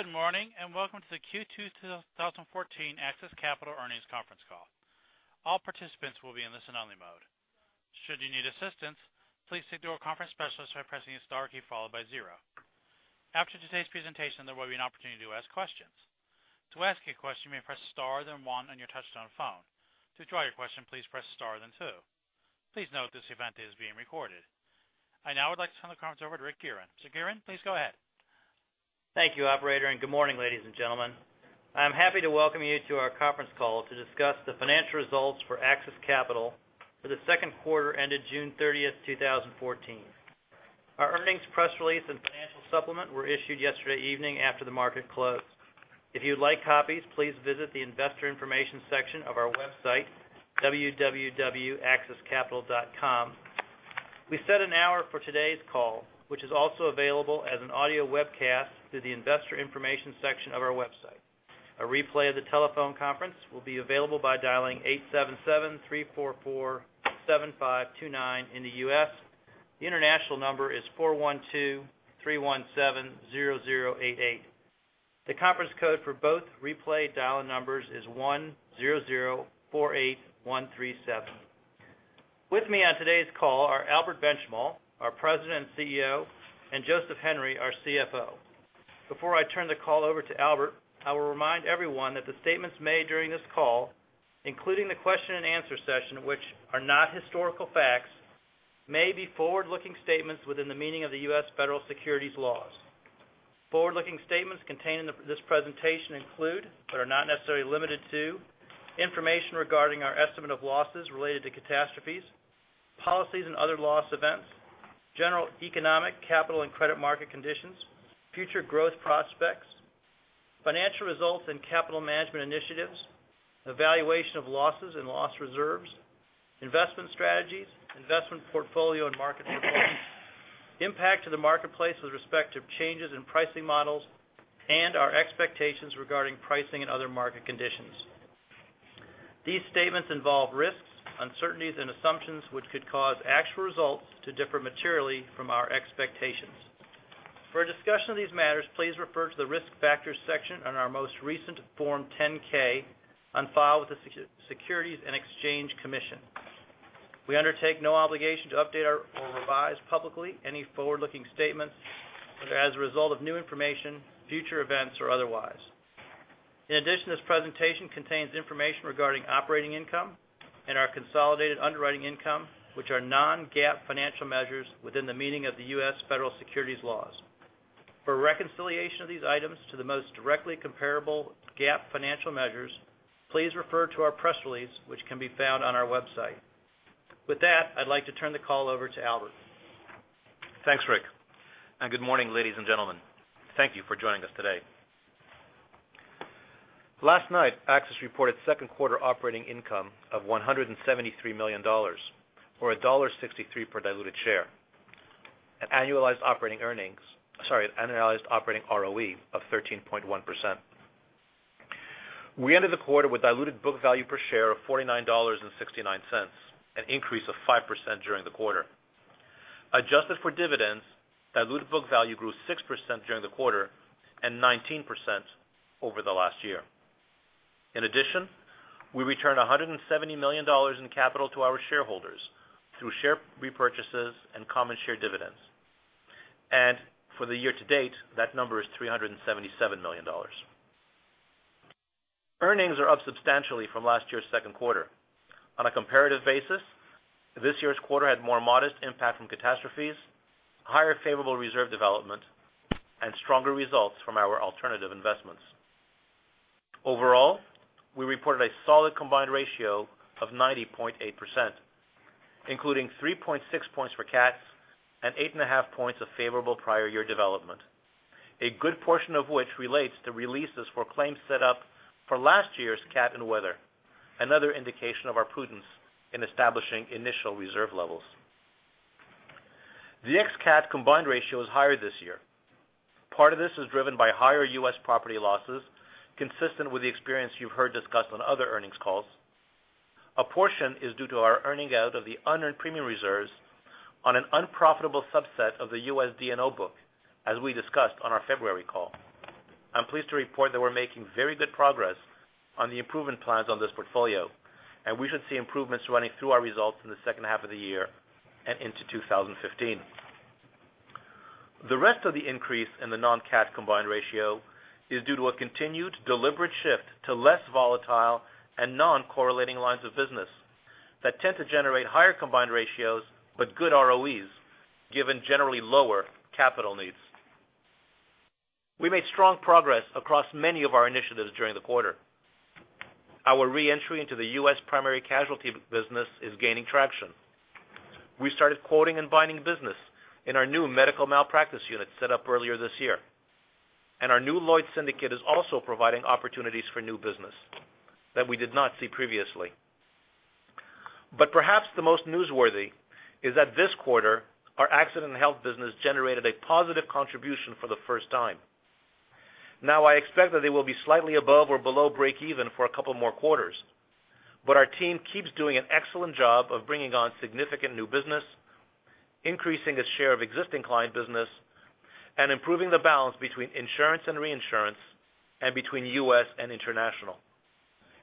Good morning, welcome to the Q2 2014 AXIS Capital earnings conference call. All participants will be in listen-only mode. Should you need assistance, please speak to a conference specialist by pressing your star key followed by zero. After today's presentation, there will be an opportunity to ask questions. To ask a question, you may press star, then one on your touchtone phone. To withdraw your question, please press star, then two. Please note this event is being recorded. I now would like to turn the conference over to Richard Guerin. Guerin, please go ahead. Thank you, operator, good morning, ladies and gentlemen. I'm happy to welcome you to our conference call to discuss the financial results for AXIS Capital for the second quarter ended June 30, 2014. Our earnings press release and financial supplement were issued yesterday evening after the market closed. If you'd like copies, please visit the investor information section of our website, www.axiscapital.com. We set an hour for today's call, which is also available as an audio webcast through the investor information section of our website. A replay of the telephone conference will be available by dialing 877-344-7529 in the U.S. The international number is 412-317-0088. The conference code for both replay dial numbers is 10048137. With me on today's call are Albert Benchimol, our President and CEO, and Joseph Henry, our CFO. Before I turn the call over to Albert, I will remind everyone that the statements made during this call, including the question and answer session, which are not historical facts may be forward-looking statements within the meaning of the U.S. federal securities laws. Forward-looking statements contained in this presentation include, but are not necessarily limited to, information regarding our estimate of losses related to catastrophes, policies and other loss events, general economic capital and credit market conditions, future growth prospects, financial results and capital management initiatives, evaluation of losses and loss reserves, investment strategies, investment portfolio and market performance, impact to the marketplace with respect to changes in pricing models, and our expectations regarding pricing and other market conditions. These statements involve risks, uncertainties, and assumptions which could cause actual results to differ materially from our expectations. For a discussion of these matters, please refer to the risk factors section on our most recent Form 10-K on file with the Securities and Exchange Commission. We undertake no obligation to update or revise publicly any forward-looking statements as a result of new information, future events, or otherwise. In addition, this presentation contains information regarding operating income and our consolidated underwriting income, which are non-GAAP financial measures within the meaning of the U.S. federal securities laws. For a reconciliation of these items to the most directly comparable GAAP financial measures, please refer to our press release, which can be found on our website. With that, I'd like to turn the call over to Albert. Thanks, Rick, and good morning, ladies and gentlemen. Thank you for joining us today. Last night, AXIS reported second quarter operating income of $173 million, or $1.63 per diluted share, an annualized operating earnings, sorry, an annualized operating ROE of 13.1%. We ended the quarter with diluted book value per share of $49.69, an increase of 5% during the quarter. Adjusted for dividends, diluted book value grew 6% during the quarter and 19% over the last year. In addition, we returned $170 million in capital to our shareholders through share repurchases and common share dividends. For the year to date, that number is $377 million. Earnings are up substantially from last year's second quarter. On a comparative basis, this year's quarter had more modest impact from catastrophes, higher favorable reserve development, and stronger results from our alternative investments. Overall, we reported a solid combined ratio of 90.8%, including 3.6 points for cats and 8.5 points of favorable prior year development, a good portion of which relates to releases for claims set up for last year's cat and weather, another indication of our prudence in establishing initial reserve levels. The ex-CAT combined ratio is higher this year. Part of this is driven by higher U.S. property losses consistent with the experience you've heard discussed on other earnings calls. A portion is due to our earning out of the unearned premium reserves on an unprofitable subset of the U.S. D&O book, as we discussed on our February call. I'm pleased to report that we're making very good progress on the improvement plans on this portfolio, and we should see improvements running through our results in the second half of the year and into 2015. The rest of the increase in the non-cat combined ratio is due to a continued deliberate shift to less volatile and non-correlating lines of business that tend to generate higher combined ratios but good ROEs, given generally lower capital needs. We made strong progress across many of our initiatives during the quarter. Our re-entry into the U.S. primary casualty business is gaining traction. We started quoting and binding business in our new medical malpractice unit set up earlier this year. Our new Lloyd's Syndicate is also providing opportunities for new business that we did not see previously. Perhaps the most newsworthy is that this quarter, our accident and health business generated a positive contribution for the first time. Now, I expect that they will be slightly above or below break even for a couple more quarters. Our team keeps doing an excellent job of bringing on significant new business, increasing its share of existing client business, and improving the balance between insurance and reinsurance, and between U.S. and international.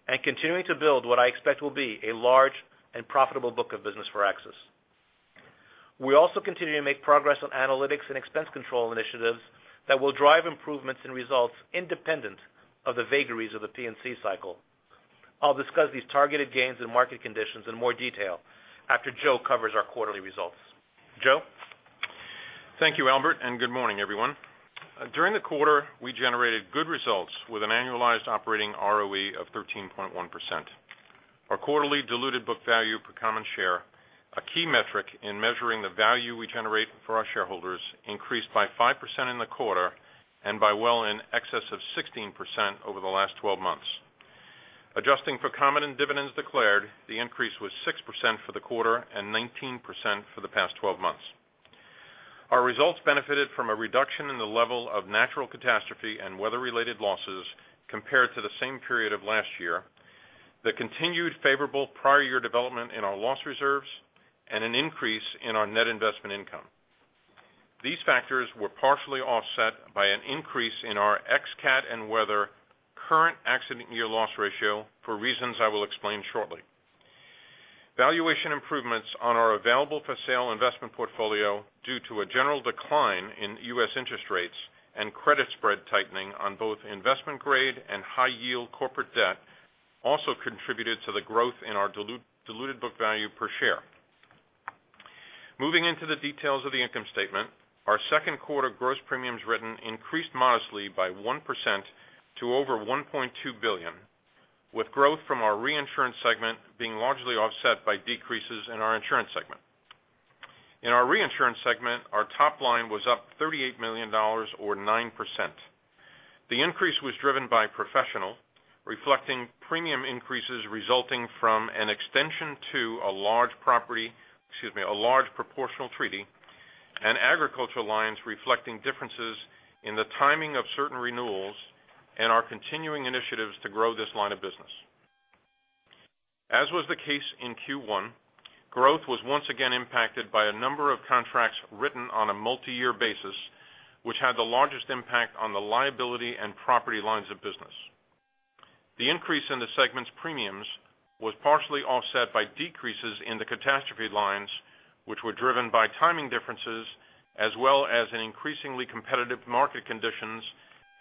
Continuing to build what I expect will be a large and profitable book of business for AXIS. We also continue to make progress on analytics and expense control initiatives that will drive improvements in results independent of the vagaries of the P&C cycle. I'll discuss these targeted gains and market conditions in more detail after Joe covers our quarterly results. Joe? Thank you, Albert, and good morning, everyone. During the quarter, we generated good results with an annualized operating ROE of 13.1%. Our quarterly diluted book value per common share, a key metric in measuring the value we generate for our shareholders, increased by 5% in the quarter and by well in excess of 16% over the last 12 months. Adjusting for common and dividends declared, the increase was 6% for the quarter and 19% for the past 12 months. Our results benefited from a reduction in the level of natural catastrophe and weather-related losses compared to the same period of last year, the continued favorable prior year development in our loss reserves, and an increase in our net investment income. These factors were partially offset by an increase in our ex-CAT and weather current accident year loss ratio for reasons I will explain shortly. Valuation improvements on our available-for-sale investment portfolio due to a general decline in U.S. interest rates and credit spread tightening on both investment-grade and high-yield corporate debt also contributed to the growth in our diluted book value per share. Moving into the details of the income statement, our second quarter gross premiums written increased modestly by 1% to over $1.2 billion, with growth from our reinsurance segment being largely offset by decreases in our insurance segment. In our reinsurance segment, our top line was up $38 million, or 9%. The increase was driven by professional, reflecting premium increases resulting from an extension to a large proportional treaty and agriculture lines reflecting differences in the timing of certain renewals and our continuing initiatives to grow this line of business. As was the case in Q1, growth was once again impacted by a number of contracts written on a multi-year basis, which had the largest impact on the liability and property lines of business. The increase in the segment's premiums was partially offset by decreases in the catastrophe lines, which were driven by timing differences as well as in increasingly competitive market conditions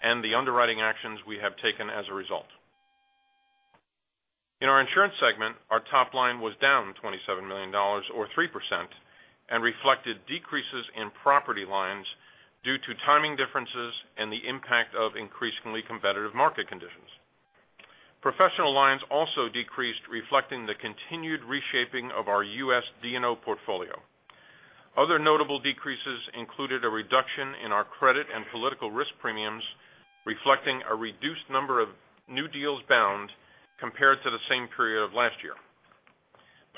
and the underwriting actions we have taken as a result. In our insurance segment, our top line was down $27 million, or 3%, and reflected decreases in property lines due to timing differences and the impact of increasingly competitive market conditions. Professional lines also decreased, reflecting the continued reshaping of our U.S. D&O portfolio. Other notable decreases included a reduction in our credit and political risk premiums, reflecting a reduced number of new deals bound compared to the same period of last year.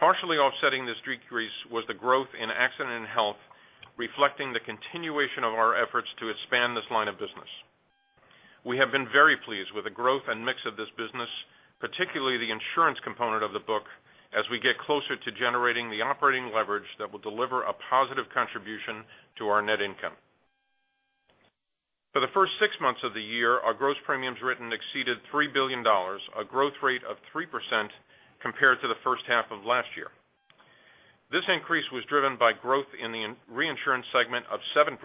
Partially offsetting this decrease was the growth in accident and health, reflecting the continuation of our efforts to expand this line of business. We have been very pleased with the growth and mix of this business, particularly the insurance component of the book, as we get closer to generating the operating leverage that will deliver a positive contribution to our net income. For the first six months of the year, our gross premiums written exceeded $3 billion, a growth rate of 3% compared to the first half of last year. This increase was driven by growth in the reinsurance segment of 7%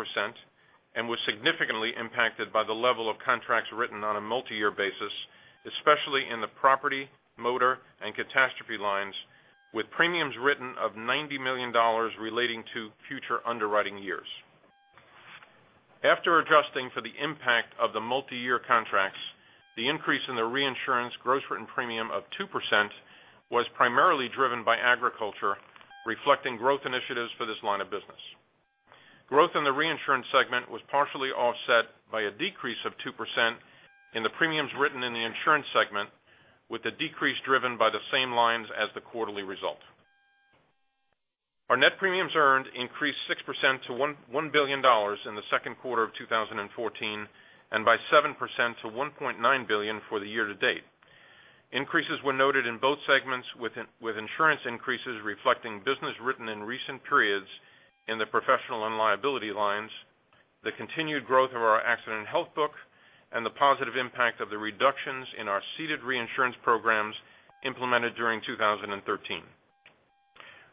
and was significantly impacted by the level of contracts written on a multi-year basis, especially in the property, motor, and catastrophe lines, with premiums written of $90 million relating to future underwriting years. After adjusting for the impact of the multi-year contracts, the increase in the reinsurance gross written premium of 2% was primarily driven by agriculture, reflecting growth initiatives for this line of business. Growth in the reinsurance segment was partially offset by a decrease of 2% in the premiums written in the insurance segment, with the decrease driven by the same lines as the quarterly result. Our net premiums earned increased 6% to $1 billion in the second quarter of 2014, and by 7% to $1.9 billion for the year to date. Increases were noted in both segments with insurance increases reflecting business written in recent periods in the professional and liability lines, the continued growth of our A&H book, and the positive impact of the reductions in our ceded reinsurance programs implemented during 2013.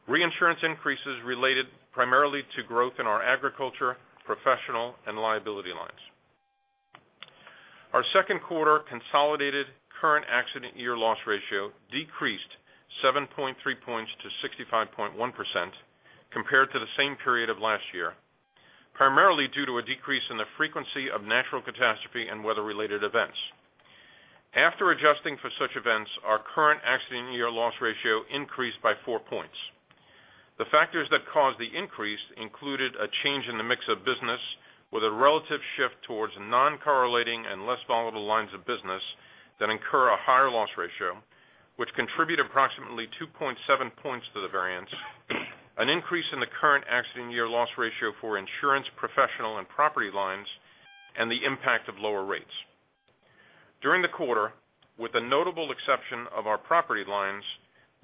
Reinsurance increases related primarily to growth in our agriculture, professional, and liability lines. Our second quarter consolidated current accident year loss ratio decreased 7.3 points to 65.1% compared to the same period of last year, primarily due to a decrease in the frequency of natural catastrophe and weather-related events. After adjusting for such events, our current accident year loss ratio increased by four points. The factors that caused the increase included a change in the mix of business with a relative shift towards non-correlating and less volatile lines of business that incur a higher loss ratio, which contribute approximately 2.7 points to the variance, an increase in the current accident year loss ratio for insurance, professional, and property lines, and the impact of lower rates. During the quarter, with the notable exception of our property lines,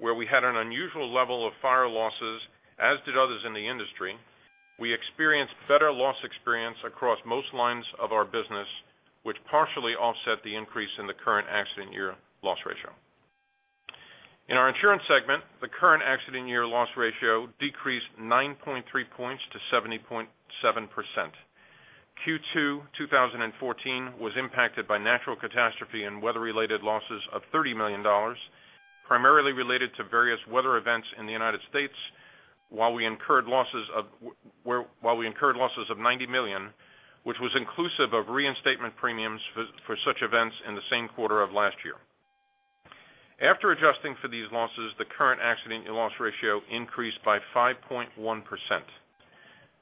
where we had an unusual level of fire losses, as did others in the industry, we experienced better loss experience across most lines of our business, which partially offset the increase in the current accident year loss ratio. In our insurance segment, the current accident year loss ratio decreased 9.3 points to 70.7%. Q2 2014 was impacted by natural catastrophe and weather-related losses of $30 million, primarily related to various weather events in the U.S., while we incurred losses of $90 million, which was inclusive of reinstatement premiums for such events in the same quarter of last year. After adjusting for these losses, the current accident year loss ratio increased by 5.1%.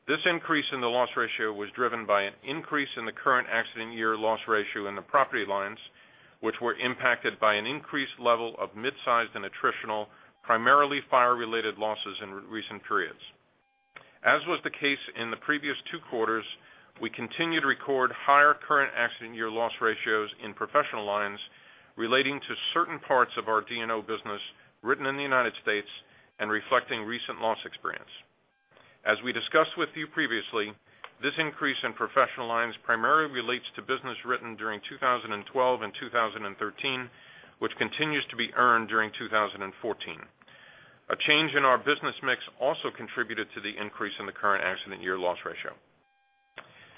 This increase in the loss ratio was driven by an increase in the current accident year loss ratio in the property lines, which were impacted by an increased level of mid-sized and attritional, primarily fire-related losses in recent periods. As was the case in the previous two quarters, we continue to record higher current accident year loss ratios in professional lines relating to certain parts of our D&O business written in the U.S. and reflecting recent loss experience. As we discussed with you previously, this increase in professional lines primarily relates to business written during 2012 and 2013, which continues to be earned during 2014. A change in our business mix also contributed to the increase in the current accident year loss ratio.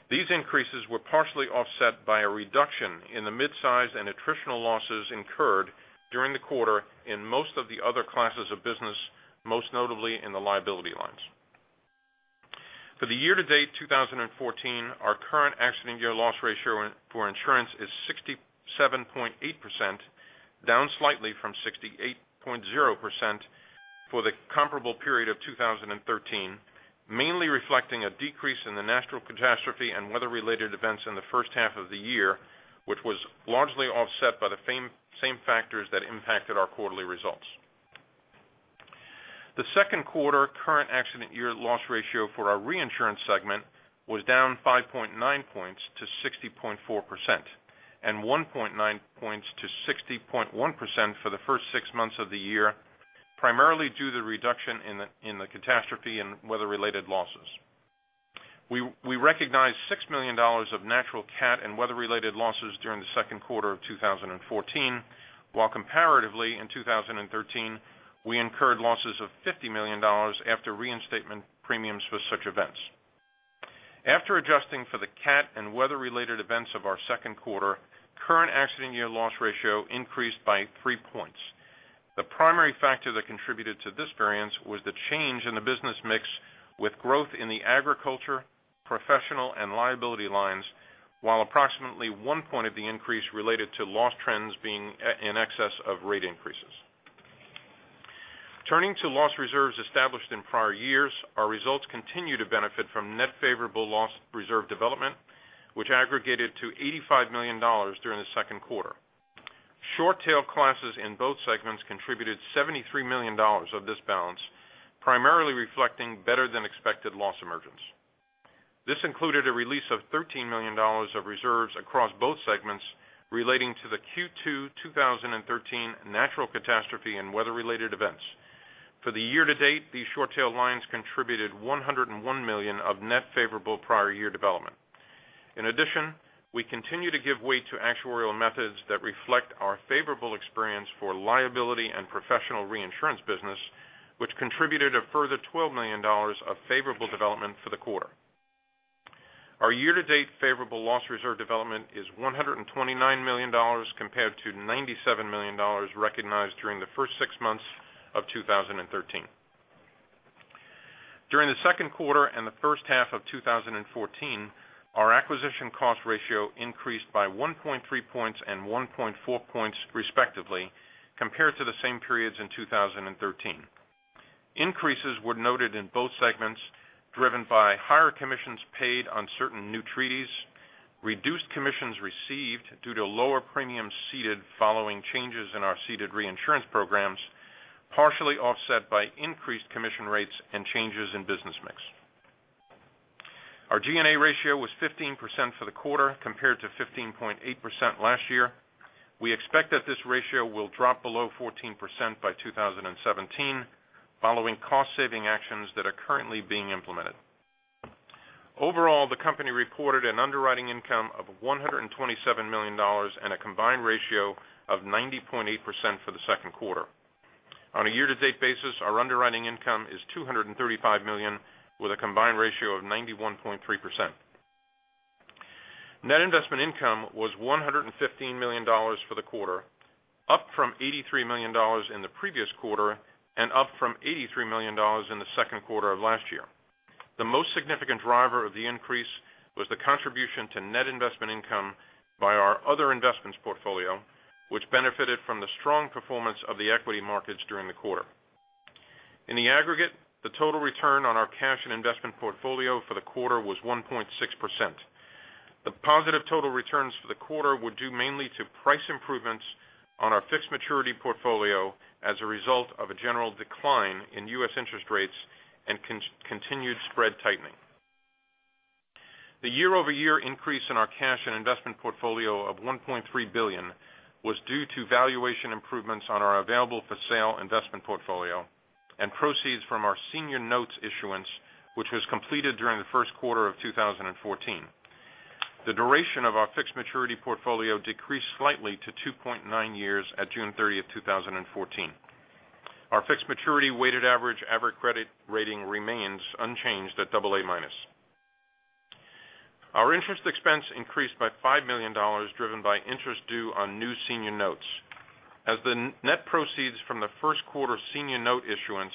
These increases were partially offset by a reduction in the mid-size and attritional losses incurred during the quarter in most of the other classes of business, most notably in the liability lines. For the year to date 2014, our current accident year loss ratio for insurance is 67.8%, down slightly from 68.0% for the comparable period of 2013, mainly reflecting a decrease in the natural catastrophe and weather-related events in the first half of the year, which was largely offset by the same factors that impacted our quarterly results. The second quarter current accident year loss ratio for our reinsurance segment was down 5.9 points to 60.4% and 1.9 points to 60.1% for the first six months of the year, primarily due to the reduction in the catastrophe and weather-related losses. We recognized $6 million of natural cat and weather-related losses during the second quarter of 2014, while comparatively in 2013, we incurred losses of $50 million after reinstatement premiums for such events. After adjusting for the cat and weather-related events of our second quarter, current accident year loss ratio increased by 3 points. The primary factor that contributed to this variance was the change in the business mix with growth in the agriculture, professional, and liability lines, while approximately 1 point of the increase related to loss trends being in excess of rate increases. Turning to loss reserves established in prior years, our results continue to benefit from net favorable loss reserve development, which aggregated to $85 million during the second quarter. Short tail classes in both segments contributed $73 million of this balance, primarily reflecting better-than-expected loss emergence. This included a release of $13 million of reserves across both segments relating to the Q2 2013 natural catastrophe and weather-related events. For the year to date, these short tail lines contributed $101 million of net favorable prior year development. In addition, we continue to give weight to actuarial methods that reflect our favorable experience for liability and professional reinsurance business, which contributed a further $12 million of favorable development for the quarter. Our year to date favorable loss reserve development is $129 million compared to $97 million recognized during the first six months of 2013. During the second quarter and the first half of 2014, our acquisition cost ratio increased by 1.3 points and 1.4 points respectively, compared to the same periods in 2013. Increases were noted in both segments, driven by higher commissions paid on certain new treaties, reduced commissions received due to lower premiums ceded following changes in our ceded reinsurance programs, partially offset by increased commission rates and changes in business mix. Our G&A ratio was 15% for the quarter compared to 15.8% last year. We expect that this ratio will drop below 14% by 2017 following cost-saving actions that are currently being implemented. Overall, the company reported an underwriting income of $127 million and a combined ratio of 90.8% for the second quarter. On a year to date basis, our underwriting income is $235 million with a combined ratio of 91.3%. Net investment income was $115 million for the quarter, up from $83 million in the previous quarter and up from $83 million in the second quarter of last year. The most significant driver of the increase was the contribution to net investment income by our other investments portfolio, which benefited from the strong performance of the equity markets during the quarter. In the aggregate, the total return on our cash and investment portfolio for the quarter was 1.6%. The positive total returns for the quarter were due mainly to price improvements on our fixed maturity portfolio as a result of a general decline in U.S. interest rates and continued spread tightening. The year-over-year increase in our cash and investment portfolio of $1.3 billion was due to valuation improvements on our available for sale investment portfolio and proceeds from our senior notes issuance, which was completed during the first quarter of 2014. The duration of our fixed maturity portfolio decreased slightly to 2.9 years at June 30th, 2014. Our fixed maturity weighted average credit rating remains unchanged at AA-. Our interest expense increased by $5 million, driven by interest due on new senior notes. As the net proceeds from the first quarter senior note issuance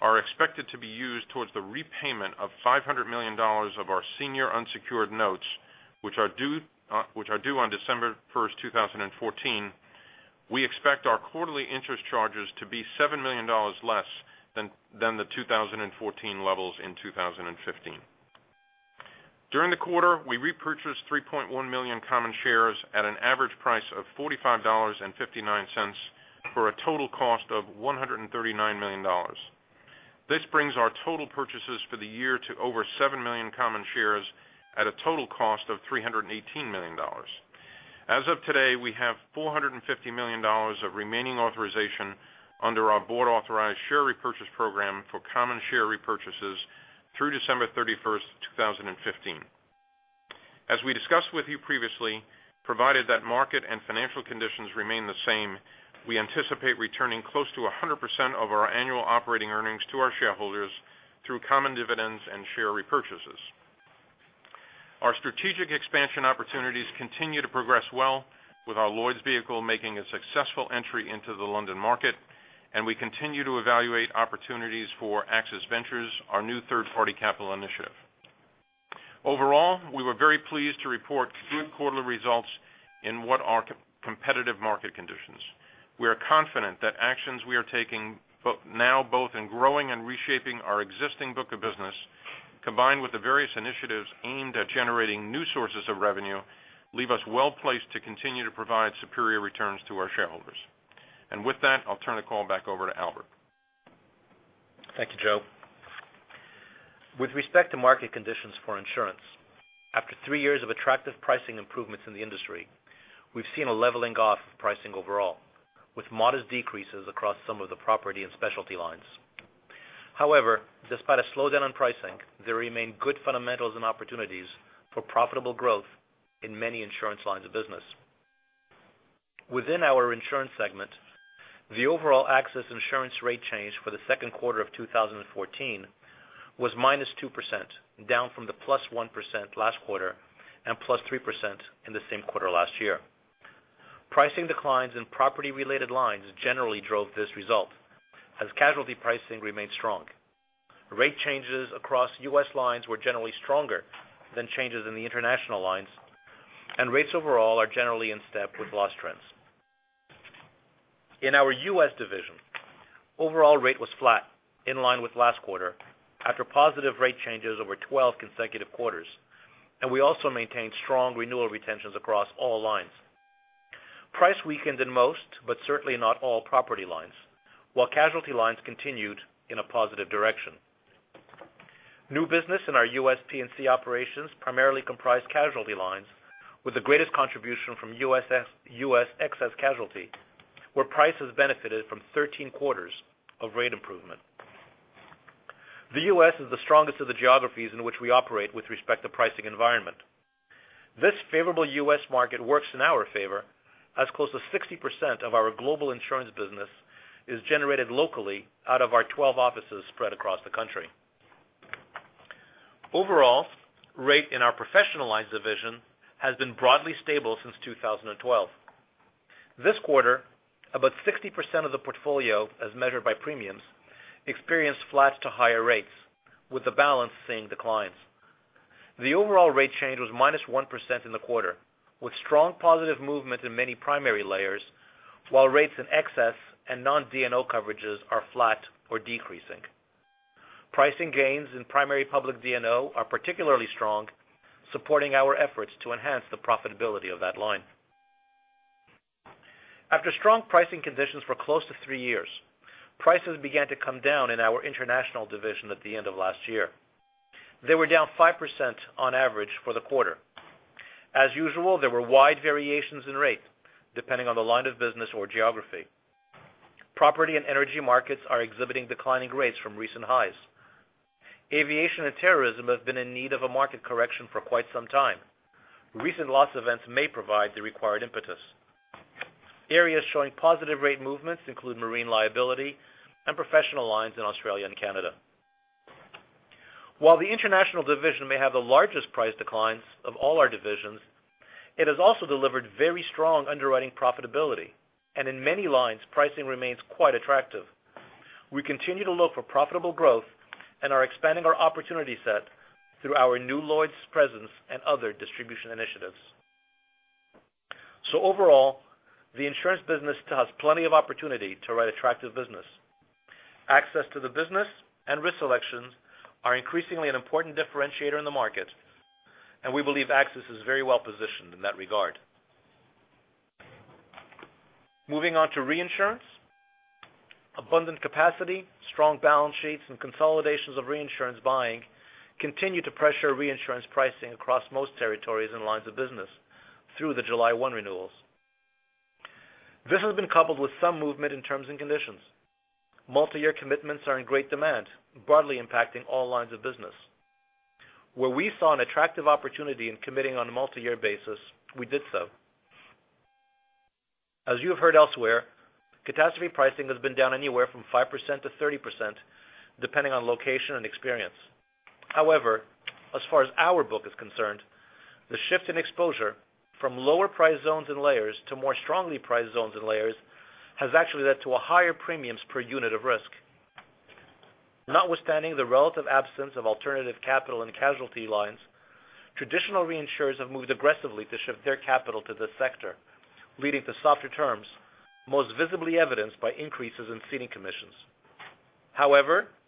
are expected to be used towards the repayment of $500 million of our senior unsecured notes, which are due on December 1st, 2014, we expect our quarterly interest charges to be $7 million less than the 2014 levels in 2015. During the quarter, we repurchased 3.1 million common shares at an average price of $45.59, for a total cost of $139 million. This brings our total purchases for the year to over 7 million common shares at a total cost of $318 million. As of today, we have $450 million of remaining authorization under our board-authorized share repurchase program for common share repurchases through December 31st, 2015. As we discussed with you previously, provided that market and financial conditions remain the same, we anticipate returning close to 100% of our annual operating earnings to our shareholders through common dividends and share repurchases. Our strategic expansion opportunities continue to progress well with our Lloyd's vehicle making a successful entry into the London market, we continue to evaluate opportunities for AXIS Ventures, our new third-party capital initiative. Overall, we were very pleased to report good quarterly results in what are competitive market conditions. We are confident that actions we are taking now, both in growing and reshaping our existing book of business, combined with the various initiatives aimed at generating new sources of revenue, leave us well-placed to continue to provide superior returns to our shareholders. With that, I'll turn the call back over to Albert. Thank you, Joe. With respect to market conditions for insurance, after three years of attractive pricing improvements in the industry, we've seen a leveling off of pricing overall, with modest decreases across some of the property and specialty lines. However, despite a slowdown in pricing, there remain good fundamentals and opportunities for profitable growth in many insurance lines of business. Within our insurance segment, the overall AXIS insurance rate change for the second quarter of 2014 was -2%, down from the +1% last quarter and +3% in the same quarter last year. Pricing declines in property-related lines generally drove this result, as casualty pricing remained strong. Rate changes across U.S. lines were generally stronger than changes in the international lines, and rates overall are generally in step with loss trends. In our U.S. division, overall rate was flat, in line with last quarter after positive rate changes over 12 consecutive quarters, and we also maintained strong renewal retentions across all lines. Price weakened in most, but certainly not all, property lines, while casualty lines continued in a positive direction. New business in our U.S. P&C operations primarily comprised casualty lines with the greatest contribution from U.S. excess casualty, where prices benefited from 13 quarters of rate improvement. The U.S. is the strongest of the geographies in which we operate with respect to pricing environment. This favorable U.S. market works in our favor as close to 60% of our global insurance business is generated locally out of our 12 offices spread across the country. Overall, rate in our professional lines division has been broadly stable since 2012. This quarter, about 60% of the portfolio, as measured by premiums, experienced flat to higher rates, with the balance seeing declines. The overall rate change was -1% in the quarter, with strong positive movement in many primary layers, while rates in excess and non-D&O coverages are flat or decreasing. Pricing gains in primary public D&O are particularly strong, supporting our efforts to enhance the profitability of that line. After strong pricing conditions for close to three years, prices began to come down in our international division at the end of last year. They were down 5% on average for the quarter. As usual, there were wide variations in rate depending on the line of business or geography. Property and energy markets are exhibiting declining rates from recent highs. Aviation and terrorism have been in need of a market correction for quite some time. Recent loss events may provide the required impetus. Areas showing positive rate movements include marine liability and professional lines in Australia and Canada. While the international division may have the largest price declines of all our divisions, it has also delivered very strong underwriting profitability, and in many lines, pricing remains quite attractive. We continue to look for profitable growth and are expanding our opportunity set through our new Lloyd's presence and other distribution initiatives. Overall, the insurance business still has plenty of opportunity to write attractive business. Access to the business and risk selections are increasingly an important differentiator in the market, and we believe AXIS is very well positioned in that regard. Moving on to reinsurance. Abundant capacity, strong balance sheets, and consolidations of reinsurance buying continue to pressure reinsurance pricing across most territories and lines of business through the July 1 renewals. This has been coupled with some movement in terms and conditions. Multi-year commitments are in great demand, broadly impacting all lines of business. Where we saw an attractive opportunity in committing on a multi-year basis, we did so. As you have heard elsewhere, catastrophe pricing has been down anywhere from 5%-30%, depending on location and experience. However, as far as our book is concerned, the shift in exposure from lower price zones and layers to more strongly priced zones and layers has actually led to higher premiums per unit of risk. Notwithstanding the relative absence of alternative capital in casualty lines, traditional reinsurers have moved aggressively to shift their capital to this sector, leading to softer terms, most visibly evidenced by increases in ceding commissions.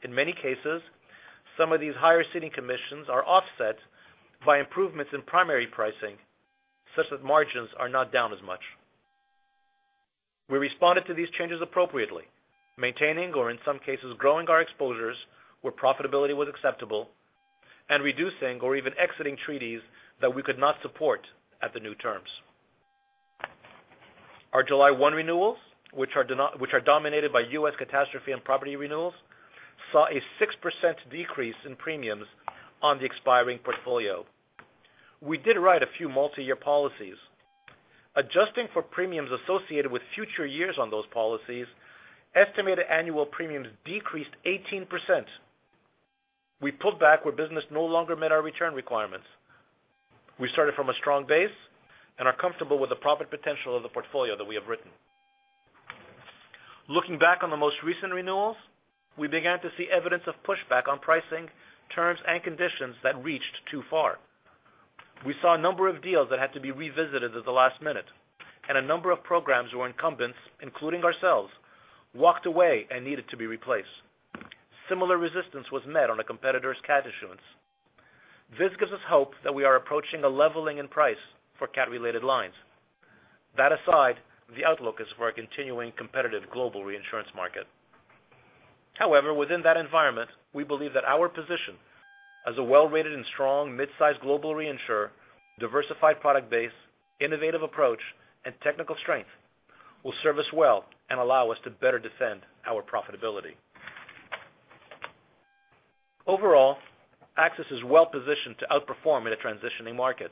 In many cases, some of these higher ceding commissions are offset by improvements in primary pricing, such that margins are not down as much. We responded to these changes appropriately, maintaining or in some cases growing our exposures where profitability was acceptable, and reducing or even exiting treaties that we could not support at the new terms. Our July 1 renewals, which are dominated by U.S. catastrophe and property renewals, saw a 6% decrease in premiums on the expiring portfolio. We did write a few multi-year policies. Adjusting for premiums associated with future years on those policies, estimated annual premiums decreased 18%. We pulled back where business no longer met our return requirements. We started from a strong base and are comfortable with the profit potential of the portfolio that we have written. Looking back on the most recent renewals, we began to see evidence of pushback on pricing terms and conditions that reached too far. We saw a number of deals that had to be revisited at the last minute, and a number of programs where incumbents, including ourselves, walked away and needed to be replaced. Similar resistance was met on a competitor's cat issuance. This gives us hope that we are approaching a leveling in price for cat-related lines. That aside, the outlook is for a continuing competitive global reinsurance market. Within that environment, we believe that our position as a well-rated and strong mid-sized global reinsurer, diversified product base, innovative approach, and technical strength will serve us well and allow us to better defend our profitability. Overall, AXIS is well-positioned to outperform in a transitioning market.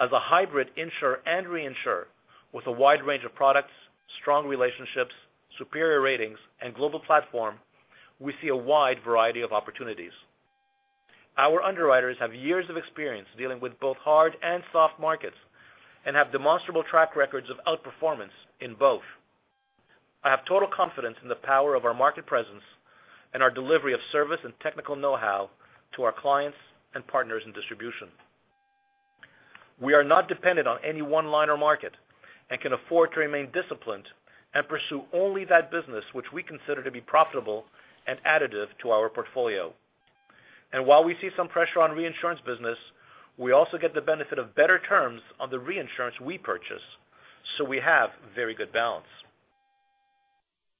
As a hybrid insurer and reinsurer with a wide range of products, strong relationships, superior ratings, and global platform, we see a wide variety of opportunities. Our underwriters have years of experience dealing with both hard and soft markets and have demonstrable track records of outperformance in both. I have total confidence in the power of our market presence and our delivery of service and technical know-how to our clients and partners in distribution. We are not dependent on any one line or market and can afford to remain disciplined and pursue only that business which we consider to be profitable and additive to our portfolio. While we see some pressure on reinsurance business, we also get the benefit of better terms on the reinsurance we purchase, we have very good balance.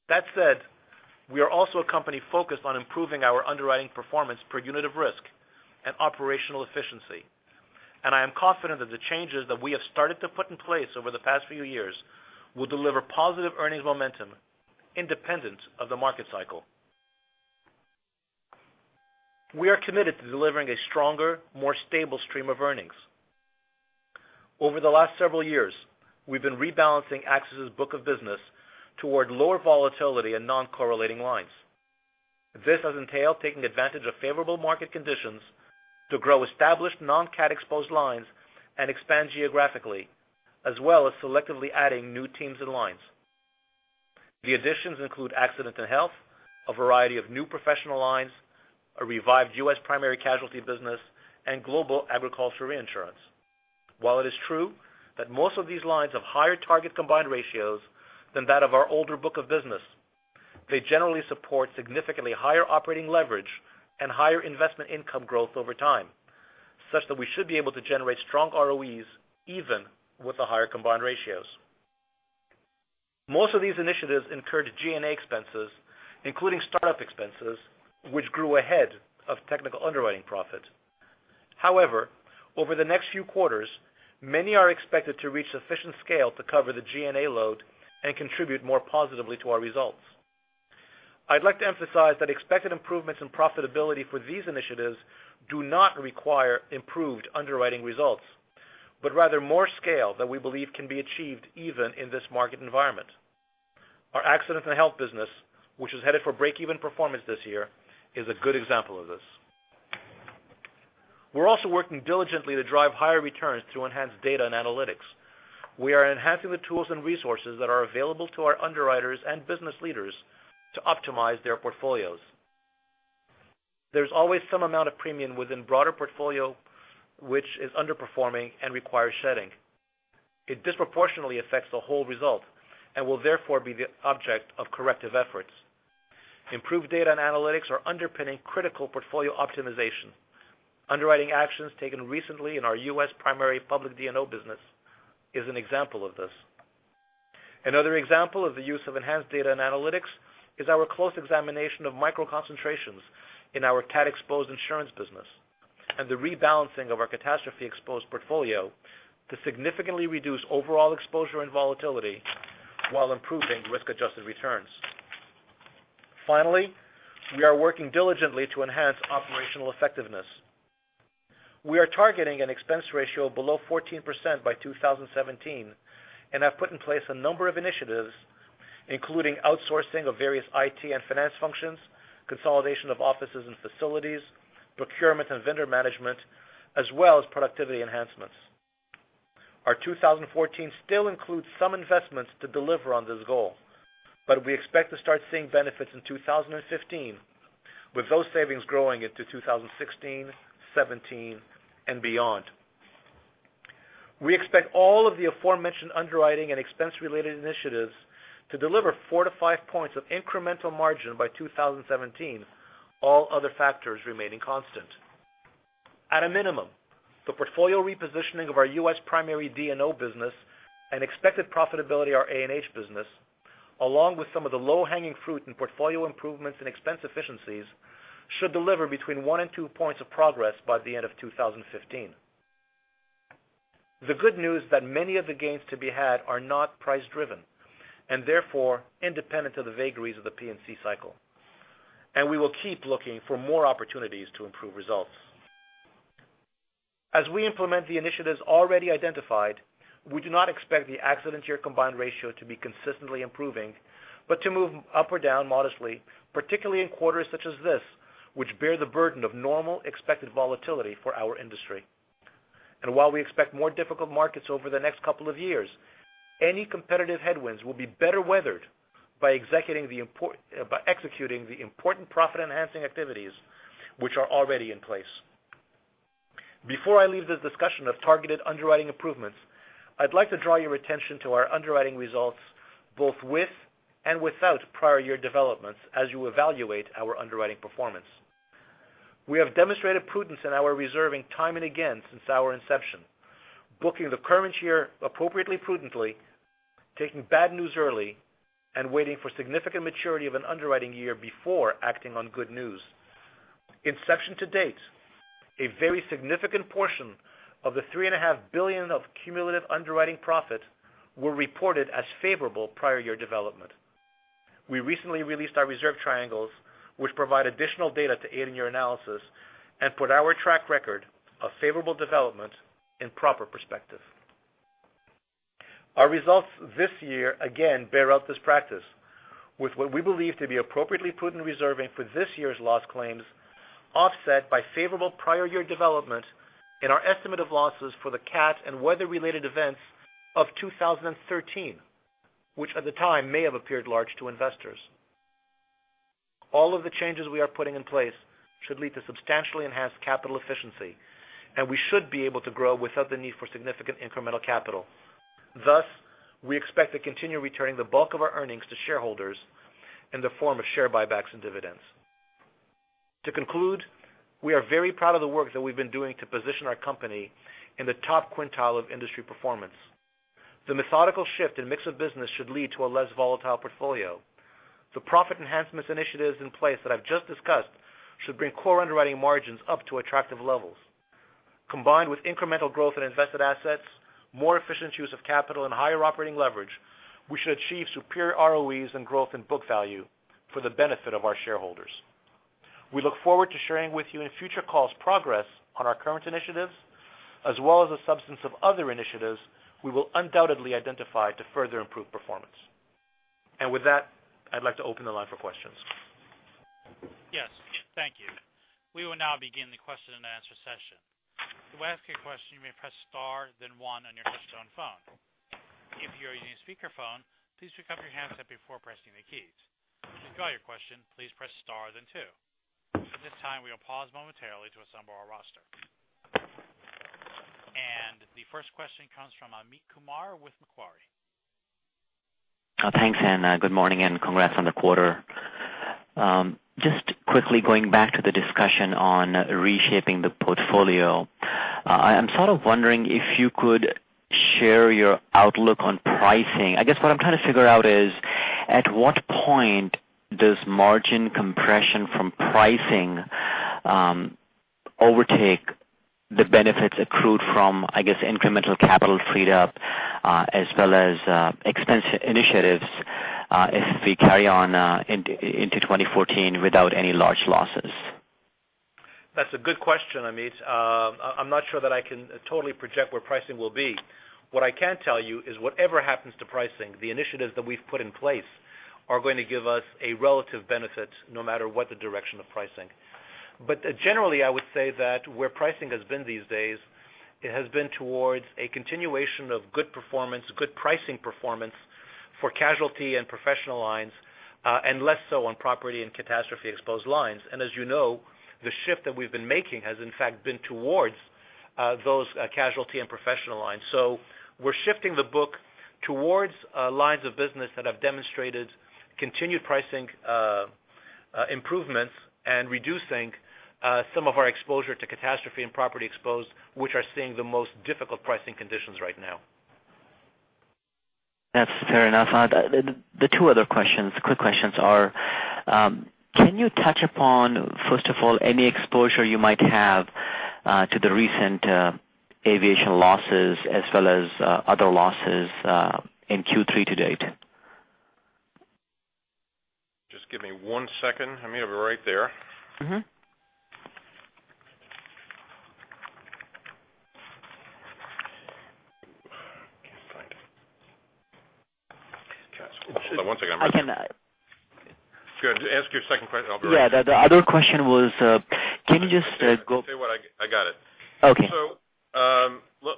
That said, we are also a company focused on improving our underwriting performance per unit of risk and operational efficiency. I am confident that the changes that we have started to put in place over the past few years will deliver positive earnings momentum independent of the market cycle. We are committed to delivering a stronger, more stable stream of earnings. Over the last several years, we've been rebalancing AXIS' book of business toward lower volatility and non-correlating lines. This has entailed taking advantage of favorable market conditions to grow established non-cat exposed lines and expand geographically, as well as selectively adding new teams and lines. The additions include accident and health, a variety of new professional lines, a revived U.S. primary casualty business, and global agriculture reinsurance. While it is true that most of these lines have higher target combined ratios than that of our older book of business, they generally support significantly higher operating leverage and higher investment income growth over time, such that we should be able to generate strong ROEs even with the higher combined ratios. Most of these initiatives incurred G&A expenses, including startup expenses, which grew ahead of technical underwriting profit. However, over the next few quarters, many are expected to reach sufficient scale to cover the G&A load and contribute more positively to our results. I'd like to emphasize that expected improvements in profitability for these initiatives do not require improved underwriting results, but rather more scale that we believe can be achieved even in this market environment. Our accident and health business, which is headed for break-even performance this year, is a good example of this. We're also working diligently to drive higher returns through enhanced data and analytics. We are enhancing the tools and resources that are available to our underwriters and business leaders to optimize their portfolios. There's always some amount of premium within broader portfolio which is underperforming and requires shedding. It disproportionately affects the whole result and will therefore be the object of corrective efforts. Improved data and analytics are underpinning critical portfolio optimization. Underwriting actions taken recently in our U.S. primary public D&O business is an example of this. Another example of the use of enhanced data and analytics is our close examination of micro concentrations in our cat-exposed insurance business and the rebalancing of our catastrophe-exposed portfolio to significantly reduce overall exposure and volatility while improving risk-adjusted returns. We are working diligently to enhance operational effectiveness. We are targeting an expense ratio below 14% by 2017 and have put in place a number of initiatives, including outsourcing of various IT and finance functions, consolidation of offices and facilities, procurement and vendor management, as well as productivity enhancements. Our 2014 still includes some investments to deliver on this goal, We expect to start seeing benefits in 2015, with those savings growing into 2016, 2017, and beyond. We expect all of the aforementioned underwriting and expense-related initiatives to deliver four to five points of incremental margin by 2017, all other factors remaining constant. At a minimum, the portfolio repositioning of our U.S. primary D&O business and expected profitability of our A&H business, along with some of the low-hanging fruit in portfolio improvements and expense efficiencies, should deliver between one and two points of progress by the end of 2015. The good news is that many of the gains to be had are not price-driven, therefore independent of the vagaries of the P&C cycle, We will keep looking for more opportunities to improve results. As we implement the initiatives already identified, we do not expect the accident year combined ratio to be consistently improving, but to move up or down modestly, particularly in quarters such as this, which bear the burden of normal expected volatility for our industry. While we expect more difficult markets over the next couple of years, any competitive headwinds will be better weathered by executing the important profit-enhancing activities which are already in place. Before I leave this discussion of targeted underwriting improvements, I'd like to draw your attention to our underwriting results, both with and without prior year developments as you evaluate our underwriting performance. We have demonstrated prudence in our reserving time and again since our inception, booking the current year appropriately prudently, taking bad news early, and waiting for significant maturity of an underwriting year before acting on good news. Inception to date, a very significant portion of the three and a half billion of cumulative underwriting profit were reported as favorable prior year development. We recently released our reserve triangles, which provide additional data to aid in your analysis and put our track record of favorable development in proper perspective. Our results this year again bear out this practice with what we believe to be appropriately prudent reserving for this year's loss claims, offset by favorable prior year development in our estimate of losses for the cat and weather-related events of 2013, which at the time may have appeared large to investors. All of the changes we are putting in place should lead to substantially enhanced capital efficiency, we should be able to grow without the need for significant incremental capital. Thus, we expect to continue returning the bulk of our earnings to shareholders in the form of share buybacks and dividends. To conclude, we are very proud of the work that we've been doing to position our company in the top quintile of industry performance. The methodical shift in mix of business should lead to a less volatile portfolio. The profit enhancements initiatives in place that I've just discussed should bring core underwriting margins up to attractive levels. Combined with incremental growth in invested assets, more efficient use of capital, and higher operating leverage, we should achieve superior ROEs and growth in book value for the benefit of our shareholders. We look forward to sharing with you in future calls progress on our current initiatives, as well as the substance of other initiatives we will undoubtedly identify to further improve performance. With that, I'd like to open the line for questions. Yes. Thank you. We will now begin the question and answer session. To ask a question, you may press star then one on your touchtone phone. If you are using a speakerphone, please pick up your handset before pressing the keys. To withdraw your question, please press star then two. At this time, we will pause momentarily to assemble our roster. The first question comes from Amit Kumar with Macquarie. Thanks, and good morning, and congrats on the quarter. Just quickly going back to the discussion on reshaping the portfolio, I'm sort of wondering if you could share your outlook on pricing. I guess what I'm trying to figure out is, at what point does margin compression from pricing overtake the benefits accrued from, I guess, incremental capital freed up, as well as expense initiatives, if we carry on into 2014 without any large losses? That's a good question, Amit. I'm not sure that I can totally project where pricing will be. What I can tell you is whatever happens to pricing, the initiatives that we've put in place are going to give us a relative benefit, no matter what the direction of pricing. Generally, I would say that where pricing has been these days, it has been towards a continuation of good performance, good pricing performance for casualty and professional lines, and less so on property and catastrophe-exposed lines. As you know, the shift that we've been making has in fact been towards Those casualty and professional lines. We're shifting the book towards lines of business that have demonstrated continued pricing improvements and reducing some of our exposure to catastrophe and property exposed, which are seeing the most difficult pricing conditions right now. That's fair enough. The two other questions, quick questions are, can you touch upon, first of all, any exposure you might have to the recent aviation losses as well as other losses in Q3 to date? Just give me one second. I may have it right there. Can't find it. One second. I can- Go ahead. Ask your second question. I'll be right with you. Yeah. The other question was, can you just go- Tell you what, I got it. Okay.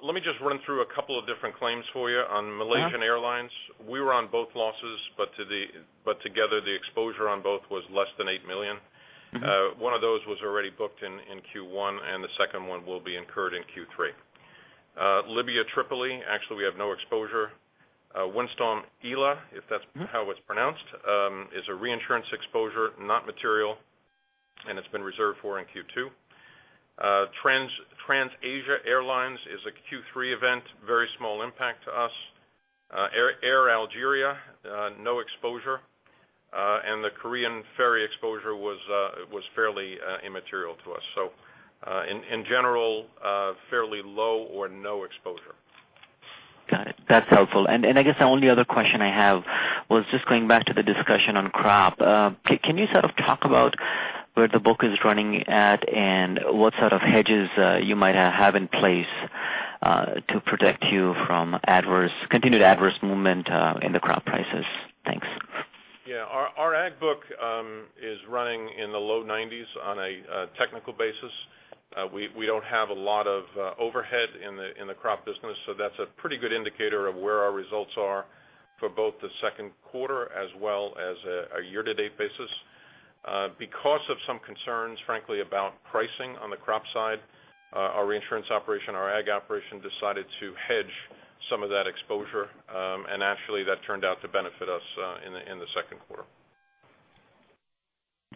Let me just run through a couple of different claims for you. On Malaysia Airlines, we were on both losses, but together the exposure on both was less than $8 million. One of those was already booked in Q1, and the second one will be incurred in Q3. Libya, Tripoli, actually we have no exposure. Windstorm Ela, if that's how it's pronounced, is a reinsurance exposure, not material, and it's been reserved for in Q2. TransAsia Airways is a Q3 event. Very small impact to us. Air Algérie, no exposure. The Korean ferry exposure was fairly immaterial to us. In general, fairly low or no exposure. Got it. That's helpful. I guess the only other question I have was just going back to the discussion on crop. Can you sort of talk about where the book is running at and what sort of hedges you might have in place to protect you from continued adverse movement in the crop prices? Thanks. Yeah. Our ag book is running in the low 90s on a technical basis. We don't have a lot of overhead in the crop business, so that's a pretty good indicator of where our results are for both the second quarter as well as a year-to-date basis. Because of some concerns, frankly, about pricing on the crop side, our reinsurance operation, our ag operation decided to hedge some of that exposure. Actually that turned out to benefit us in the second quarter.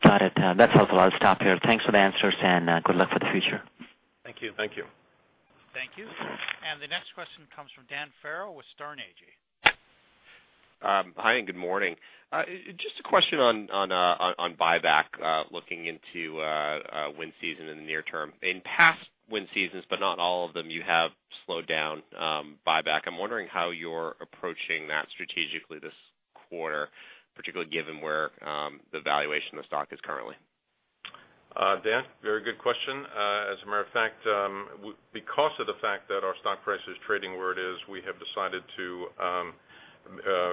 Got it. That's helpful. I'll stop here. Thanks for the answers, and good luck for the future. Thank you. Thank you. Thank you. The next question comes from Dan Farrell with Sterne Agee. Hi, good morning. Just a question on buyback looking into wind season in the near term. In past wind seasons, but not all of them, you have slowed down buyback. I'm wondering how you're approaching that strategically this quarter, particularly given where the valuation of the stock is currently. Dan, very good question. As a matter of fact, because of the fact that our stock price is trading where it is, we have decided to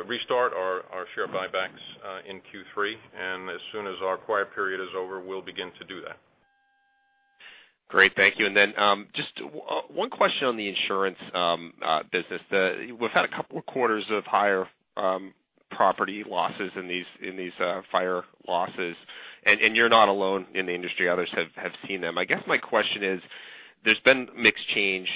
restart our share buybacks in Q3, and as soon as our quiet period is over, we'll begin to do that. Great. Thank you. Then just one question on the insurance business. We've had a couple of quarters of higher property losses in these fire losses, and you're not alone in the industry. Others have seen them. I guess my question is, there's been mixed change,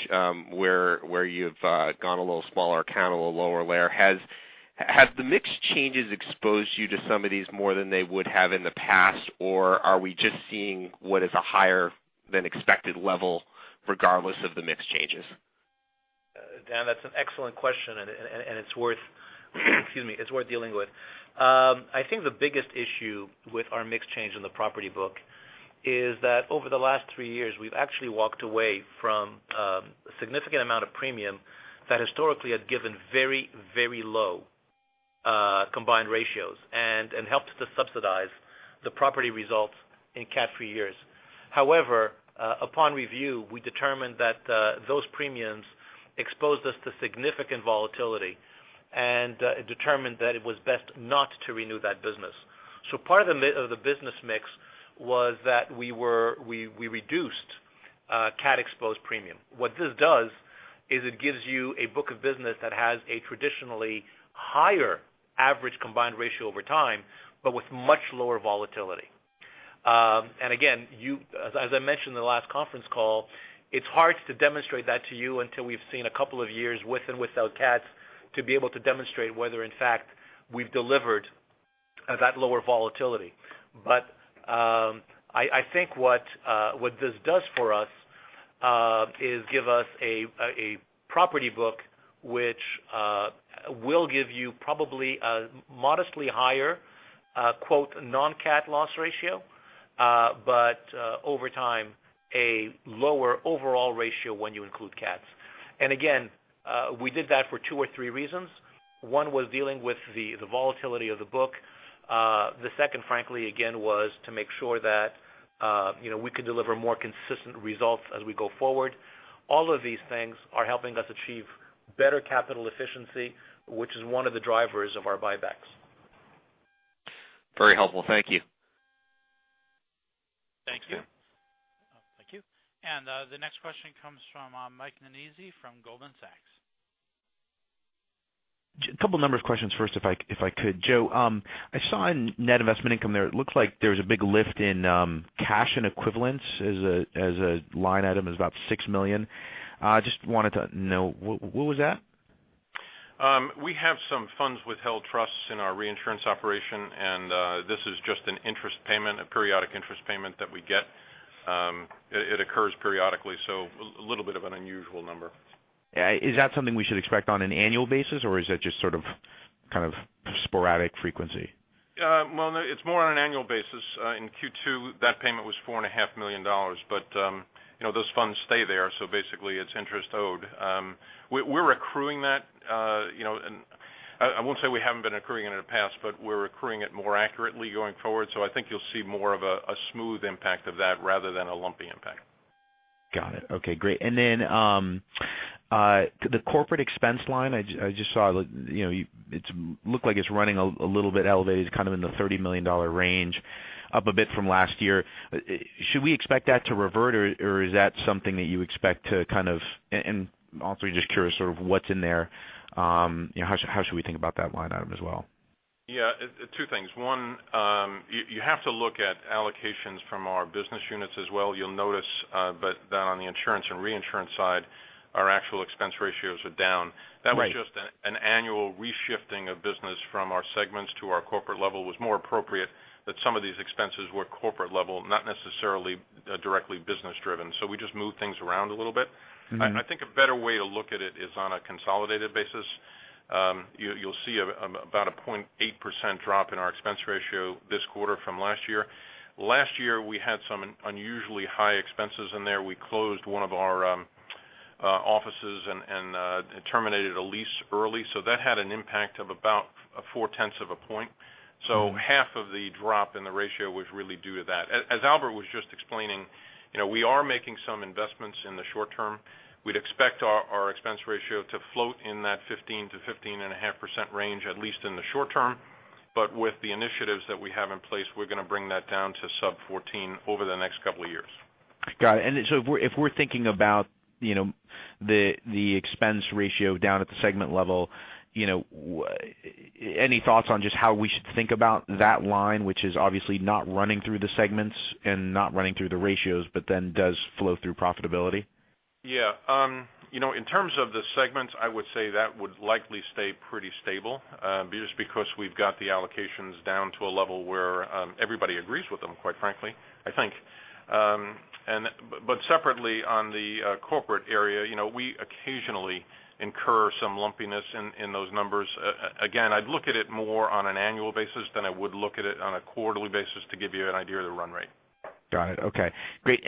where you've gone a little smaller account, a little lower layer. Has the mix changes exposed you to some of these more than they would have in the past, or are we just seeing what is a higher than expected level regardless of the mix changes? Dan, that's an excellent question, it's worth dealing with. I think the biggest issue with our mix change in the property book is that over the last three years, we've actually walked away from a significant amount of premium that historically had given very low combined ratios and helped to subsidize the property results in CAT three years. Upon review, we determined that those premiums exposed us to significant volatility and determined that it was best not to renew that business. Part of the business mix was that we reduced CAT exposed premium. What this does is it gives you a book of business that has a traditionally higher average combined ratio over time, but with much lower volatility. Again, as I mentioned in the last conference call, it's hard to demonstrate that to you until we've seen a couple of years with and without CATs to be able to demonstrate whether, in fact, we've delivered that lower volatility. I think what this does for us is give us a property book which will give you probably a modestly higher, quote, "non-CAT loss ratio," but over time, a lower overall ratio when you include CATs. Again, we did that for two or three reasons. One was dealing with the volatility of the book. The second, frankly, again, was to make sure that we could deliver more consistent results as we go forward. All of these things are helping us achieve better capital efficiency, which is one of the drivers of our buybacks. Very helpful. Thank you. Thank you. The next question comes from Mike Nannizzi from Goldman Sachs. A couple number of questions first, if I could. Joe, I saw in net investment income there, it looks like there was a big lift in cash and equivalents as a line item is about $6 million. Just wanted to know, what was that? We have some funds with held trusts in our reinsurance operation. This is just an interest payment, a periodic interest payment that we get. It occurs periodically, so a little bit of an unusual number. Is that something we should expect on an annual basis or is it just sort of sporadic frequency? Well, it's more on an annual basis. In Q2, that payment was $4.5 million. Those funds stay there, basically it's interest owed. We're accruing that. I won't say we haven't been accruing it in the past, but we're accruing it more accurately going forward. I think you'll see more of a smooth impact of that rather than a lumpy impact. Got it. Okay, great. Then, the corporate expense line, I just saw it looked like it's running a little bit elevated, kind of in the $30 million range, up a bit from last year. Should we expect that to revert, or is that something that you expect to? Also just curious sort of what's in there, how should we think about that line item as well? Yeah. Two things. One, you have to look at allocations from our business units as well. You'll notice that on the insurance and reinsurance side, our actual expense ratios are down. Right. That was just an annual reshifting of business from our segments to our corporate level was more appropriate. Some of these expenses were corporate level, not necessarily directly business driven. We just moved things around a little bit. I think a better way to look at it is on a consolidated basis. You'll see about a 0.8% drop in our expense ratio this quarter from last year. Last year, we had some unusually high expenses in there. We closed one of our offices and terminated a lease early. That had an impact of about a four-tenths of a point. Half of the drop in the ratio was really due to that. As Albert was just explaining, we are making some investments in the short term. We'd expect our expense ratio to float in that 15%-15.5% range, at least in the short term. With the initiatives that we have in place, we're going to bring that down to sub 14 over the next couple of years. Got it. If we're thinking about the expense ratio down at the segment level, any thoughts on just how we should think about that line, which is obviously not running through the segments and not running through the ratios, but then does flow through profitability? In terms of the segments, I would say that would likely stay pretty stable, just because we've got the allocations down to a level where everybody agrees with them, quite frankly, I think. Separately, on the corporate area, we occasionally incur some lumpiness in those numbers. Again, I'd look at it more on an annual basis than I would look at it on a quarterly basis to give you an idea of the run rate. Got it. Okay, great.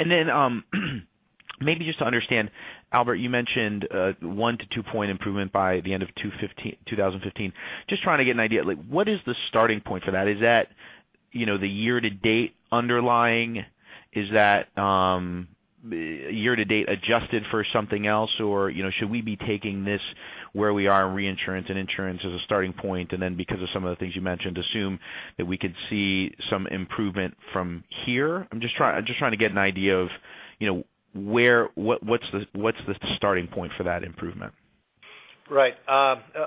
Maybe just to understand, Albert, you mentioned a 1-2-point improvement by the end of 2015. Just trying to get an idea, what is the starting point for that? Is that the year-to-date underlying? Is that year-to-date adjusted for something else, or should we be taking this where we are in reinsurance and insurance as a starting point, and then because of some of the things you mentioned, assume that we could see some improvement from here? I'm just trying to get an idea of what's the starting point for that improvement. Right.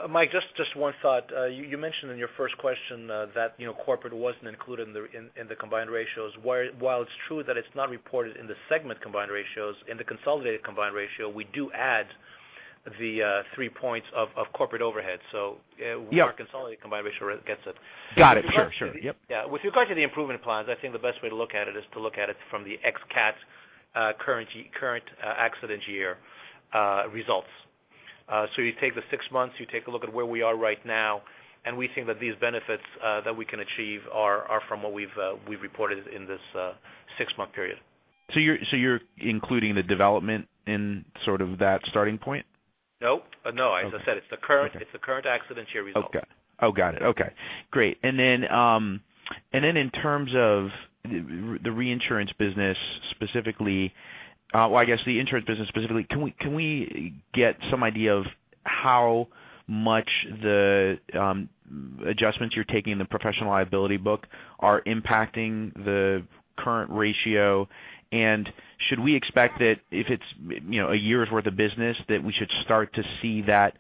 Mike, just one thought. You mentioned in your first question that corporate wasn't included in the combined ratios. While it's true that it's not reported in the segment combined ratios, in the consolidated combined ratio, we do add the three points of corporate overhead. Yeah Our consolidated combined ratio gets it. Got it. Sure. Yep. Yeah. With regard to the improvement plans, I think the best way to look at it is to look at it from the ex-CAT current accident year results. You take the six months, you take a look at where we are right now, and we think that these benefits that we can achieve are from what we've reported in this six-month period. You're including the development in sort of that starting point? No. As I said, it's the current accident year result. Okay. Oh, got it. Okay, great. Then in terms of the reinsurance business specifically, well, I guess the insurance business specifically, can we get some idea of how much the adjustments you're taking in the professional liability book are impacting the current ratio? Should we expect that if it's a year's worth of business, that we should start to see that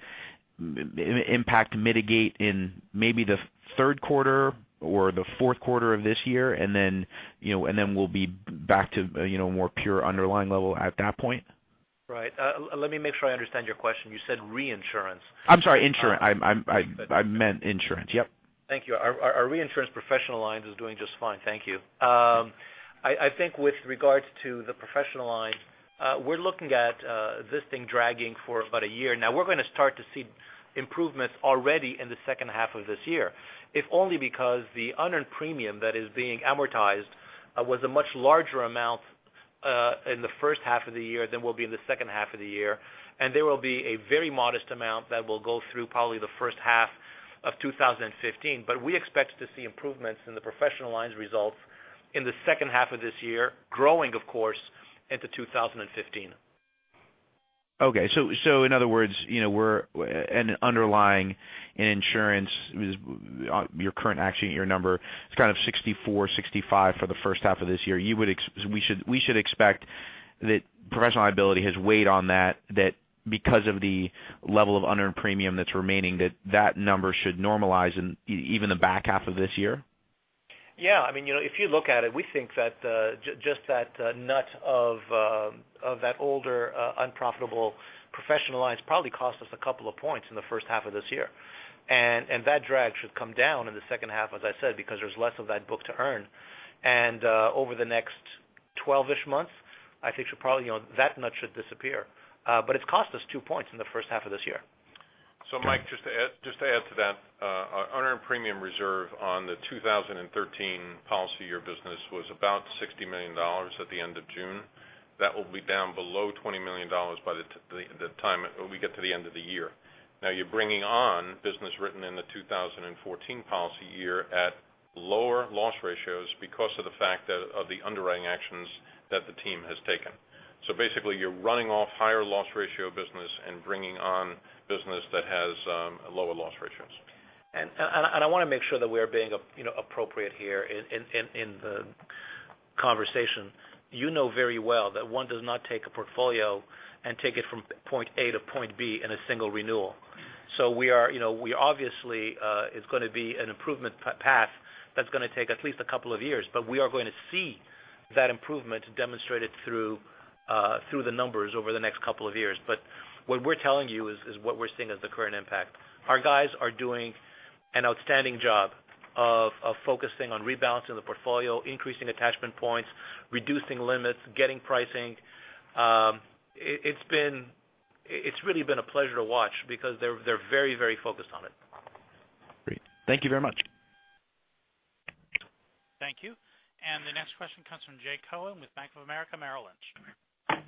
impact mitigate in maybe the third quarter or the fourth quarter of this year, then we'll be back to more pure underlying level at that point? Right. Let me make sure I understand your question. You said reinsurance. I'm sorry, insurance. I meant insurance. Yep. Thank you. Our reinsurance professional lines is doing just fine, thank you. I think with regards to the professional lines, we're looking at this thing dragging for about a year now. We're going to start to see improvements already in the second half of this year, if only because the unearned premium that is being amortized was a much larger amount in the first half of the year than will be in the second half of the year. There will be a very modest amount that will go through probably the first half of 2015. We expect to see improvements in the professional lines results in the second half of this year, growing, of course, into 2015. Okay. In other words, an underlying insurance, your current accident year number is kind of 64, 65 for the first half of this year. We should expect that professional liability has weighed on that, because of the level of unearned premium that's remaining, that that number should normalize in even the back half of this year? Yeah. If you look at it, we think that just that nut of that older, unprofitable professional lines probably cost us a couple of points in the first half of this year. That drag should come down in the second half, as I said, because there's less of that book to earn. Over the next 12-ish months, I think that nut should disappear. It's cost us two points in the first half of this year. Mike, just to add to that, our unearned premium reserve on the 2013 policy year business was about $60 million at the end of June. That will be down below $20 million by the time we get to the end of the year. You're bringing on business written in the 2014 policy year at lower loss ratios because of the fact of the underwriting actions that the team has taken. Basically you're running off higher loss ratio business and bringing on business that has lower loss ratios. I want to make sure that we are being appropriate here in the conversation. You know very well that one does not take a portfolio and take it from point A to point B in a single renewal. Obviously, it's going to be an improvement path that's going to take at least a couple of years, but we are going to see that improvement demonstrated through the numbers over the next couple of years. What we're telling you is what we're seeing as the current impact. Our guys are doing an outstanding job of focusing on rebalancing the portfolio, increasing attachment points, reducing limits, getting pricing. It's really been a pleasure to watch because they're very focused on it. Great. Thank you very much. Thank you. The next question comes from Jay Cohen with Bank of America Merrill Lynch.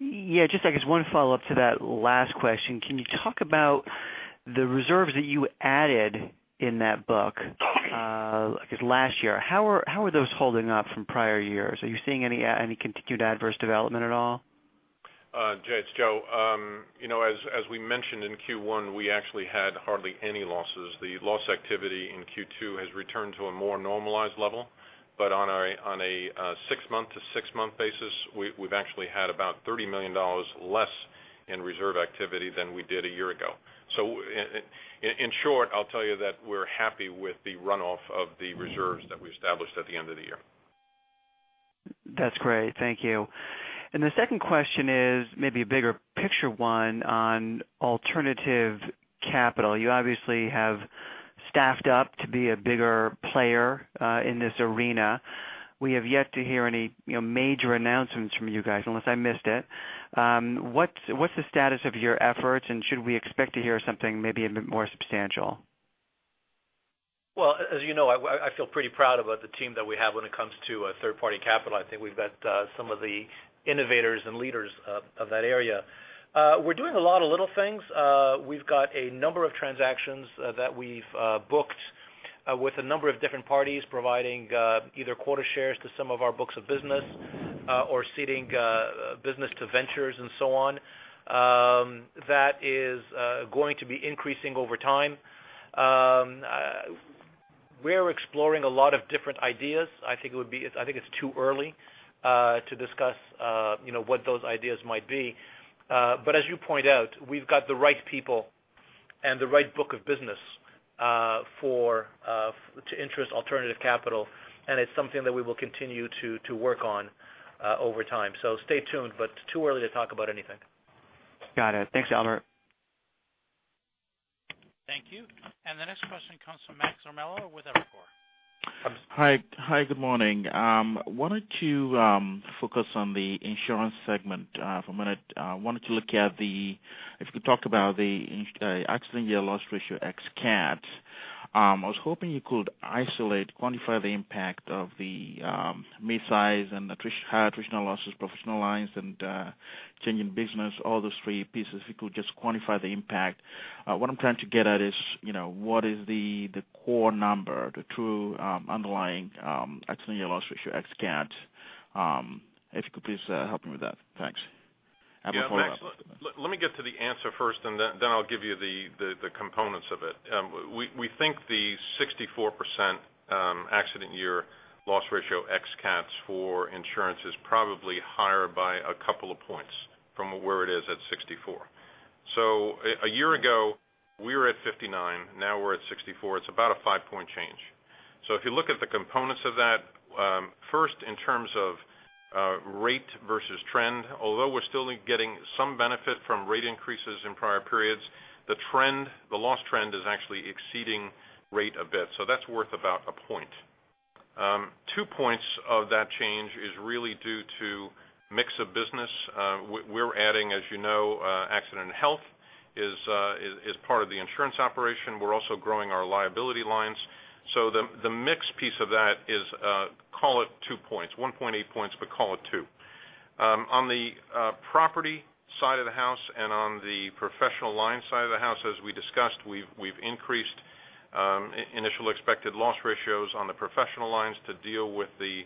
Yeah, just I guess one follow-up to that last question. Can you talk about the reserves that you added in that book, I guess, last year? How are those holding up from prior years? Are you seeing any continued adverse development at all? Jay, it's Joe. As we mentioned in Q1, we actually had hardly any losses. The loss activity in Q2 has returned to a more normalized level, but on a six-month to six-month basis, we've actually had about $30 million less in reserve activity than we did a year ago. In short, I'll tell you that we're happy with the runoff of the reserves that we established at the end of the year. That's great. Thank you. The second question is maybe a bigger picture one on alternative capital. You obviously have staffed up to be a bigger player in this arena. We have yet to hear any major announcements from you guys, unless I missed it. What's the status of your efforts, and should we expect to hear something maybe a bit more substantial? Well, as you know, I feel pretty proud about the team that we have when it comes to third-party capital. I think we've got some of the innovators and leaders of that area. We're doing a lot of little things. We've got a number of transactions that we've booked with a number of different parties providing either quota shares to some of our books of business or ceding business to ventures and so on. That is going to be increasing over time. We're exploring a lot of different ideas. I think it's too early to discuss what those ideas might be. As you point out, we've got the right people and the right book of business to interest alternative capital, and it's something that we will continue to work on over time. Stay tuned, but too early to talk about anything. Got it. Thanks, Albert. Thank you. The next question comes from Max Ormelo with Evercore. Hi, good morning. I wanted to focus on the insurance segment for a minute. I wanted to look at if you could talk about the accident year loss ratio ex-CAT. I was hoping you could isolate, quantify the impact of the midsize and the higher attritional losses, professional lines, and changing business, all those three pieces, if you could just quantify the impact. What I'm trying to get at is, what is the core number, the true underlying accident year loss ratio ex-CAT? If you could please help me with that. Thanks. I have a follow-up. Yeah. Let me get to the answer first, and then I'll give you the components of it. We think the 64% accident year loss ratio ex-CAT for insurance is probably higher by a couple of points from where it is at 64. A year ago, we were at 59. Now we're at 64. It's about a five-point change. If you look at the components of that, first in terms of rate versus trend, although we're still getting some benefit from rate increases in prior periods, the loss trend is actually exceeding rate a bit. That's worth about a point. Two points of that change is really due to mix of business. We're adding, as you know, accident and health as part of the insurance operation. We're also growing our liability lines. The mix piece of that is, call it two points, 1.8 points, but call it two. On the property side of the house and on the professional lines side of the house, as we discussed, we've increased initial expected loss ratios on the professional lines to deal with the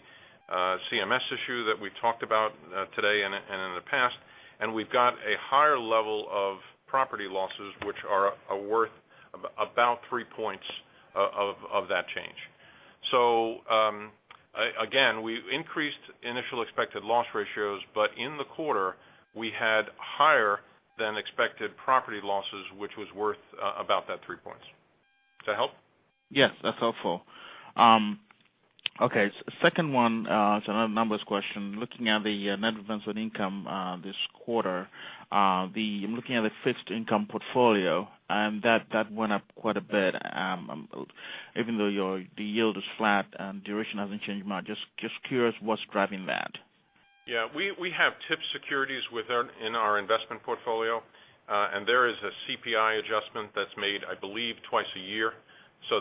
CMS issue that we talked about today. We've got a higher level of property losses which are worth about three points of that change. Again, we increased initial expected loss ratios, but in the quarter, we had higher than expected property losses, which was worth about that three points. Does that help? Yes, that's helpful. Okay. Second one, it's another numbers question. Looking at the net investment income this quarter, I'm looking at the fixed income portfolio, and that went up quite a bit, even though the yield is flat and duration hasn't changed much. Just curious what's driving that. Yeah. We have TIPS securities within our investment portfolio. There is a CPI adjustment that's made, I believe, twice a year.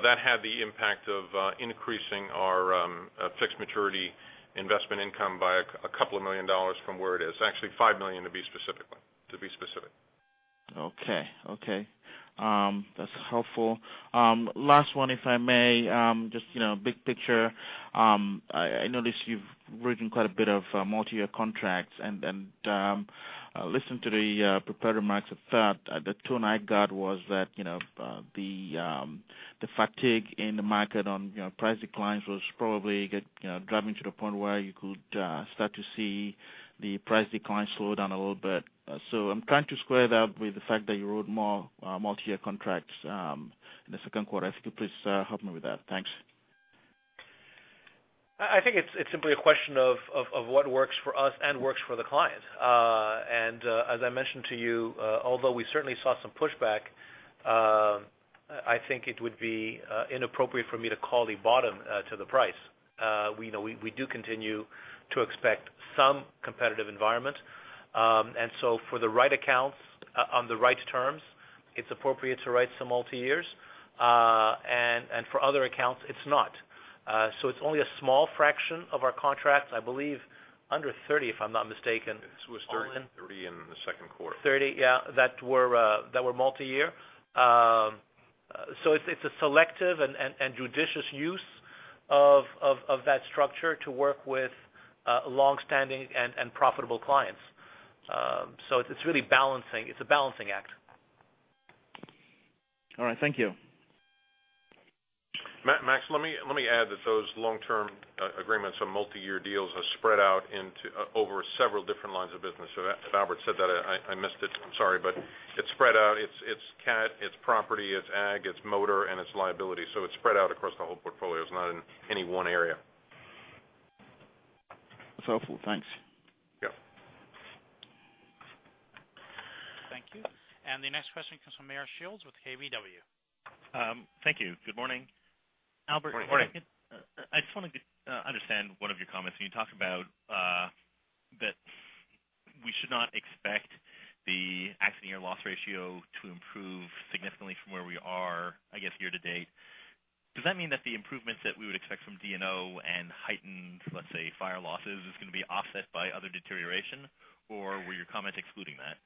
That had the impact of increasing our fixed maturity investment income by a couple of million dollars from where it is. Actually, $5 million to be specific. Okay. That's helpful. Last one, if I may, just big picture. I notice you've written quite a bit of multi-year contracts and listened to the prepared remarks of that. The tone I got was that the fatigue in the market on price declines was probably driving to the point where you could start to see the price decline slow down a little bit. I'm trying to square that with the fact that you wrote more multi-year contracts in the second quarter. If you could please help me with that. Thanks. I think it's simply a question of what works for us and works for the client. As I mentioned to you, although we certainly saw some pushback, I think it would be inappropriate for me to call the bottom to the price. We do continue to expect some competitive environment. For the right accounts on the right terms, it's appropriate to write some multi-years. For other accounts, it's not. It's only a small fraction of our contracts, I believe, under 30, if I'm not mistaken. It was 30 in the second quarter. 30, yeah, that were multi-year. It's a selective and judicious use of that structure to work with longstanding and profitable clients. It's really balancing. It's a balancing act. All right. Thank you. Max, let me add that those long-term agreements on multi-year deals are spread out over several different lines of business. If Albert said that, I missed it. I'm sorry, it's spread out. It's cat, it's property, it's ag, it's motor, and it's liability. It's spread out across the whole portfolio. It's not in any one area. That's helpful. Thanks. Yeah. Thank you. The next question comes from Meyer Shields with KBW. Thank you. Good morning. Good morning. Albert, I just wanted to understand one of your comments when you talked about that we should not expect the accident year loss ratio to improve significantly from where we are, I guess, year to date. Does that mean that the improvements that we would expect from D&O and heightened, let's say, fire losses is going to be offset by other deterioration, or were your comments excluding that?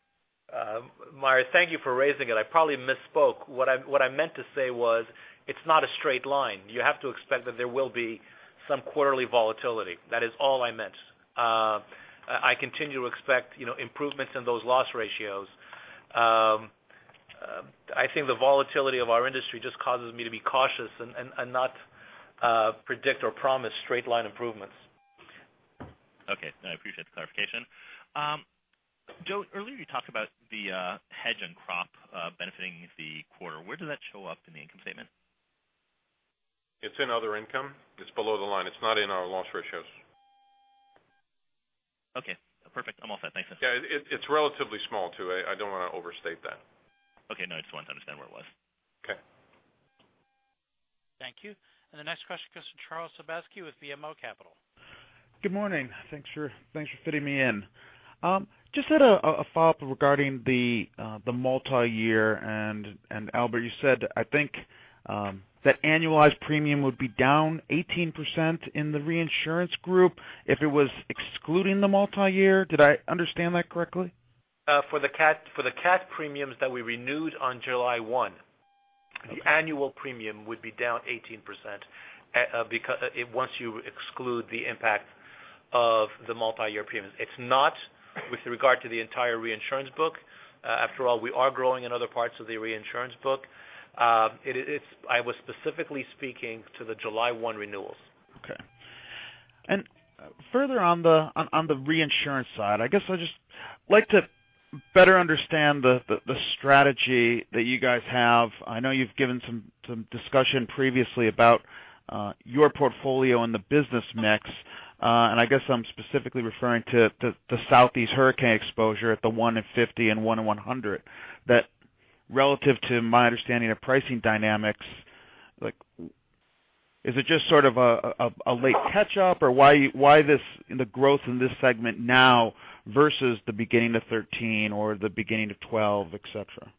Meyer, thank you for raising it. I probably misspoke. What I meant to say was it's not a straight line. You have to expect that there will be some quarterly volatility. That is all I meant. I continue to expect improvements in those loss ratios. I think the volatility of our industry just causes me to be cautious and not predict or promise straight line improvements. Okay. No, I appreciate the clarification. Joe, earlier you talked about the hedge and crop benefiting the quarter. Where does that show up in the income statement? It's in other income. It's below the line. It's not in our loss ratios. Okay. Perfect. I'm all set. Thanks. Yeah. It's relatively small, too. I don't want to overstate that. Okay. No, I just wanted to understand where it was. Okay. Thank you. The next question comes from Charles Sebaski with BMO Capital. Good morning. Thanks for fitting me in. Just had a follow-up regarding the multi-year, Albert, you said, I think, that annualized premium would be down 18% in the reinsurance group if it was excluding the multi-year. Did I understand that correctly? For the cat premiums that we renewed on July 1. Okay The annual premium would be down 18% once you exclude the impact of the multi-year premiums. It's not with regard to the entire reinsurance book. After all, we are growing in other parts of the reinsurance book. I was specifically speaking to the July 1 renewals. Okay. Further on the reinsurance side, I guess I'd just like to better understand the strategy that you guys have. I know you've given some discussion previously about your portfolio and the business mix. I guess I'm specifically referring to the Southeast hurricane exposure at the 1 in 50 and 1 in 100. That relative to my understanding of pricing dynamics, is it just sort of a late catch up or why the growth in this segment now versus the beginning of 2013 or the beginning of 2012, et cetera?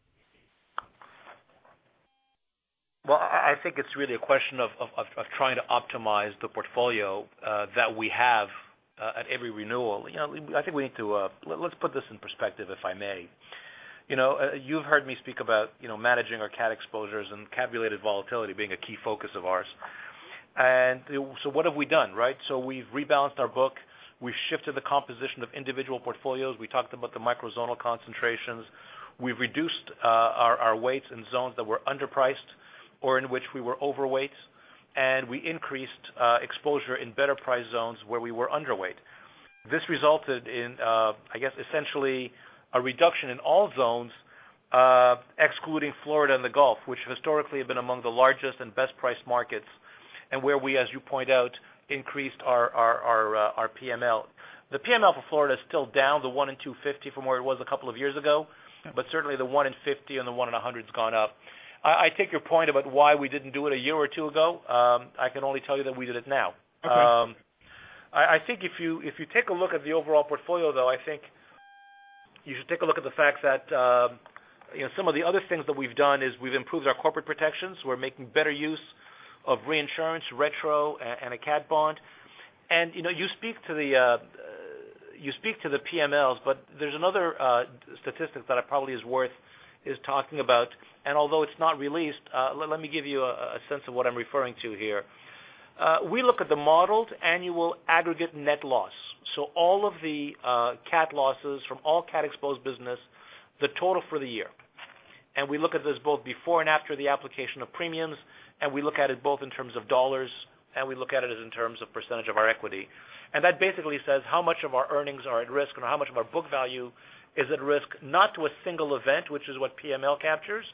Well, I think it's really a question of trying to optimize the portfolio that we have at every renewal. Let's put this in perspective, if I may. You've heard me speak about managing our CAT exposures and CAT-related volatility being a key focus of ours. What have we done, right? We've rebalanced our book. We've shifted the composition of individual portfolios. We talked about the micro zonal concentrations. We've reduced our weights in zones that were underpriced or in which we were overweight, and we increased exposure in better price zones where we were underweight. This resulted in, I guess, essentially a reduction in all zones, excluding Florida and the Gulf, which historically have been among the largest and best-priced markets, and where we, as you point out, increased our PML. The PML for Florida is still down to 1 in 250 from where it was a couple of years ago. Yeah. Certainly the 1 in 50 and the 1 in 100 has gone up. I take your point about why we didn't do it a year or two ago. I can only tell you that we did it now. Okay. I think if you take a look at the overall portfolio, though, I think you should take a look at the fact that some of the other things that we've done is we've improved our corporate protections. We're making better use of reinsurance, retro, and a cat bond. You speak to the PMLs, but there's another statistic that probably is worth talking about. Although it's not released, let me give you a sense of what I'm referring to here. We look at the modeled annual aggregate net loss. All of the cat losses from all cat exposed business, the total for the year. We look at this both before and after the application of premiums, and we look at it both in terms of $, and we look at it as in terms of % of our equity. That basically says how much of our earnings are at risk and how much of our book value is at risk, not to a single event, which is what PML captures,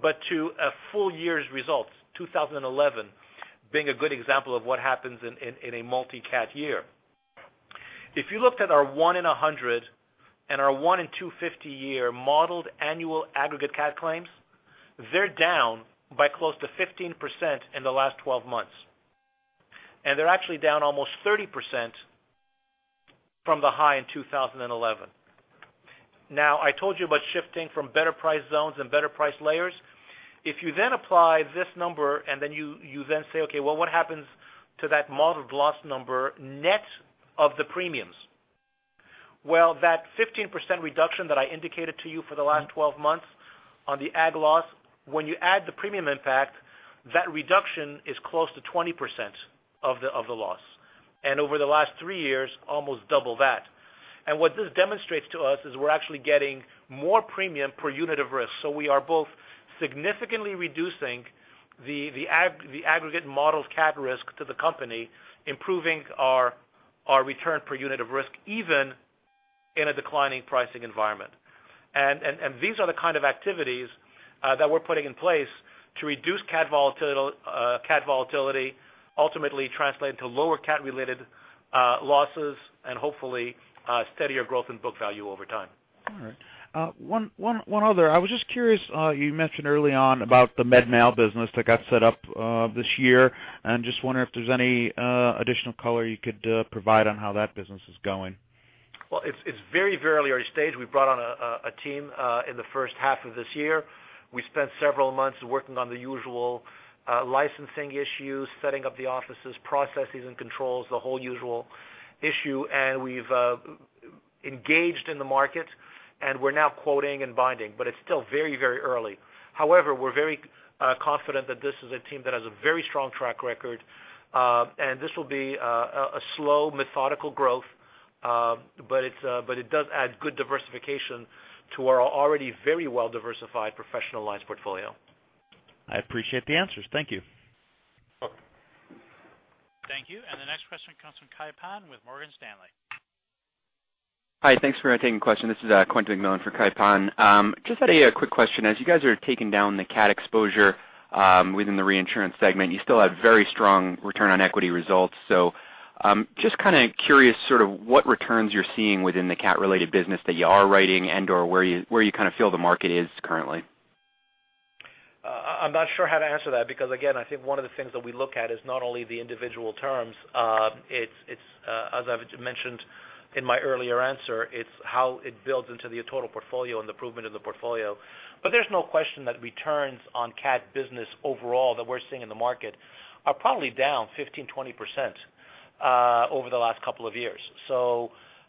but to a full year's results, 2011 being a good example of what happens in a multi-cat year. If you looked at our one in 100 and our one in 250 year modeled annual aggregate cat claims, they're down by close to 15% in the last 12 months. They're actually down almost 30% from the high in 2011. I told you about shifting from better price zones and better price layers. If you then apply this number and then you then say, okay, well, what happens to that modeled loss number net of the premiums? That 15% reduction that I indicated to you for the last 12 months on the ag loss, when you add the premium impact, that reduction is close to 20% of the loss. Over the last three years, almost double that. What this demonstrates to us is we're actually getting more premium per unit of risk. We are both significantly reducing the aggregate modeled cat risk to the company, improving our return per unit of risk, even in a declining pricing environment. These are the kind of activities that we're putting in place to reduce cat volatility, ultimately translate into lower cat related losses and hopefully steadier growth in book value over time. All right. One other. I was just curious, you mentioned early on about the med mal business that got set up this year. I'm just wondering if there's any additional color you could provide on how that business is going. Well, it's very early stage. We brought on a team in the first half of this year. We spent several months working on the usual licensing issues, setting up the offices, processes, and controls, the whole usual issue. We've engaged in the market, and we're now quoting and binding, but it's still very early. However, we're very confident that this is a team that has a very strong track record, and this will be a slow, methodical growth, but it does add good diversification to our already very well-diversified professional lines portfolio. I appreciate the answers. Thank you. Welcome. Thank you. The next question comes from Kai Pan with Morgan Stanley. Hi. Thanks for taking the question. This is Quentin McMillan for Kai Pan. Just had a quick question. As you guys are taking down the cat exposure within the reinsurance segment, you still have very strong return on equity results. Just kind of curious sort of what returns you're seeing within the cat related business that you are writing and/or where you kind of feel the market is currently. I'm not sure how to answer that because, again, I think one of the things that we look at is not only the individual terms, as I've mentioned in my earlier answer, it's how it builds into the total portfolio and the improvement of the portfolio. There's no question that returns on CAT business overall that we're seeing in the market are probably down 15%-20% over the last couple of years.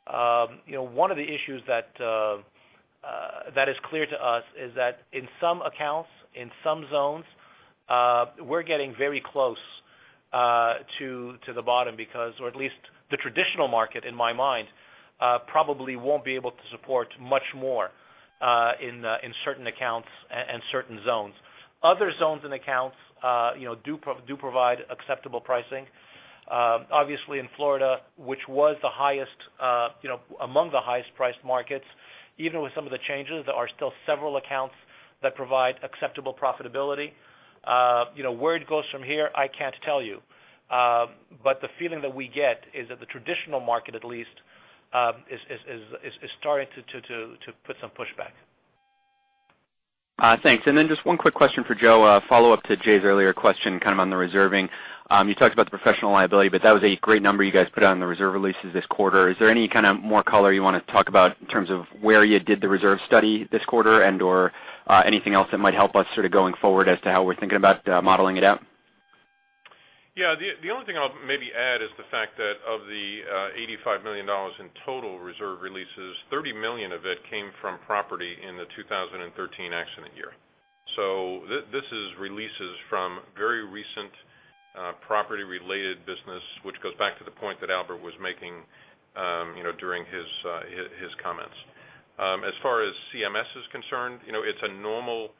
One of the issues that is clear to us is that in some accounts, in some zones, we're getting very close to the bottom because, or at least the traditional market, in my mind, probably won't be able to support much more in certain accounts and certain zones. Other zones and accounts do provide acceptable pricing. Obviously in Florida, which was among the highest priced markets, even with some of the changes, there are still several accounts that provide acceptable profitability. Where it goes from here, I can't tell you. The feeling that we get is that the traditional market, at least, is starting to put some pushback. Thanks. Just one quick question for Joe, a follow-up to Jay's earlier question, kind of on the reserving. That was a great number you guys put on the reserve releases this quarter. Is there any kind of more color you want to talk about in terms of where you did the reserve study this quarter and/or anything else that might help us sort of going forward as to how we're thinking about modeling it out? The only thing I'll maybe add is the fact that of the $85 million in total reserve releases, $30 million of it came from property in the 2013 accident year. This is releases from very recent property-related business, which goes back to the point that Albert was making during his comments. As far as CMS is concerned, it's a normal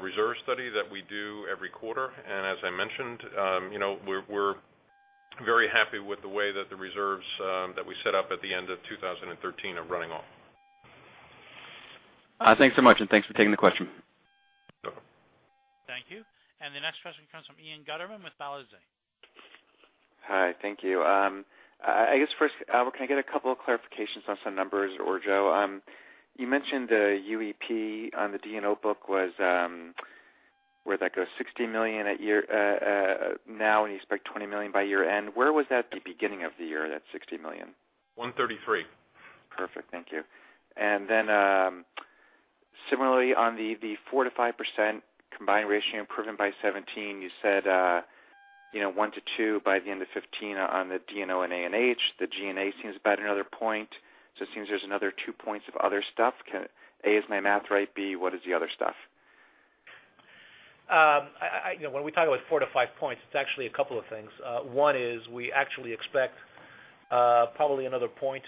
reserve study that we do every quarter. As I mentioned, we're very happy with the way that the reserves that we set up at the end of 2013 are running off. Thanks so much, thanks for taking the question. You're welcome. Thank you. The next question comes from Ian Gutterman with Balyasny. Hi. Thank you. I guess first, Albert, can I get a couple of clarifications on some numbers, or Joe? You mentioned the UEP on the D&O book was, where'd that go, $60 million now and you expect $20 million by year-end. Where was that at the beginning of the year, that $60 million? 133. Perfect. Thank you. Similarly on the 4%-5% combined ratio improvement by 2017, you said 1-2 by the end of 2015 on the D&O and A&H. The GNA seems about another 1 point. It seems there's another 2 points of other stuff. A, is my math right? B, what is the other stuff? When we talk about 4-5 points, it's actually a couple of things. One is we actually expect probably another 1 point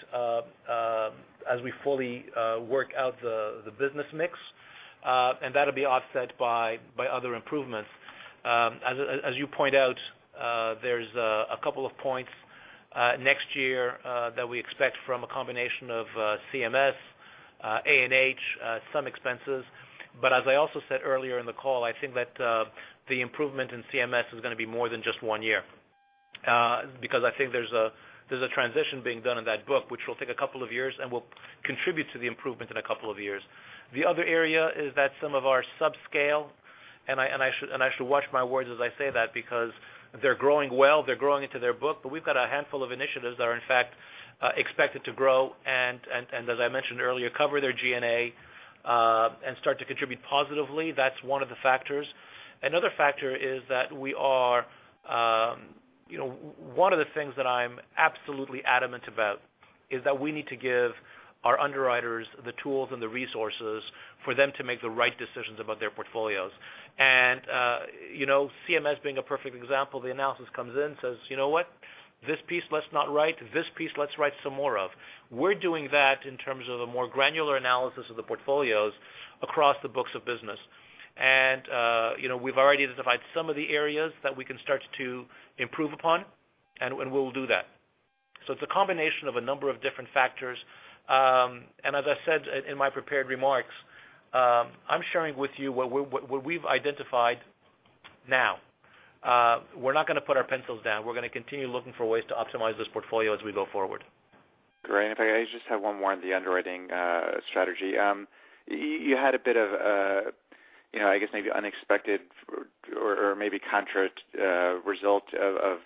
as we fully work out the business mix. That'll be offset by other improvements. As you point out, there's a couple of points next year that we expect from a combination of CMS, A&H, some expenses. As I also said earlier in the call, I think that the improvement in CMS is going to be more than just 1 year. Because I think there's a transition being done in that book, which will take a couple of years and will contribute to the improvement in a couple of years. The other area is that some of our subscale, and I should watch my words as I say that because they're growing well, they're growing into their book, but we've got a handful of initiatives that are in fact expected to grow and as I mentioned earlier, cover their GNA and start to contribute positively. That's 1 of the factors. Another factor is that 1 of the things that I'm absolutely adamant about is that we need to give our underwriters the tools and the resources for them to make the right decisions about their portfolios. CMS being a perfect example, the analysis comes in and says, "You know what? This piece, let's not write. This piece, let's write some more of." We're doing that in terms of a more granular analysis of the portfolios across the books of business. We've already identified some of the areas that we can start to improve upon, and we'll do that. It's a combination of a number of different factors. As I said in my prepared remarks, I'm sharing with you what we've identified now. We're not going to put our pencils down. We're going to continue looking for ways to optimize this portfolio as we go forward. Great. If I may, I just have one more on the underwriting strategy. You had a bit of, I guess maybe unexpected or maybe contrary result of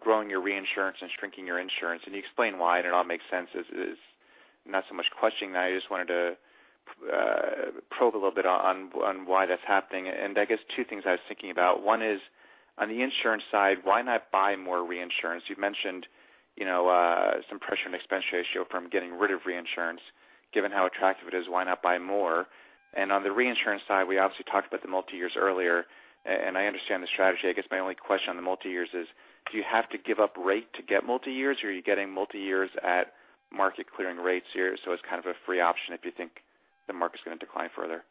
growing your reinsurance and shrinking your insurance, and you explained why and it all makes sense. It is not so much a question now, I just wanted to probe a little bit on why that's happening. I guess two things I was thinking about. One is on the insurance side, why not buy more reinsurance? You've mentioned some pressure on expense ratio from getting rid of reinsurance. Given how attractive it is, why not buy more? On the reinsurance side, we obviously talked about the multi years earlier, and I understand the strategy. I guess my only question on the multi years is, do you have to give up rate to get multi years or are you getting multi years at market clearing rates here, so it's kind of a free option if you think the market's going to decline further?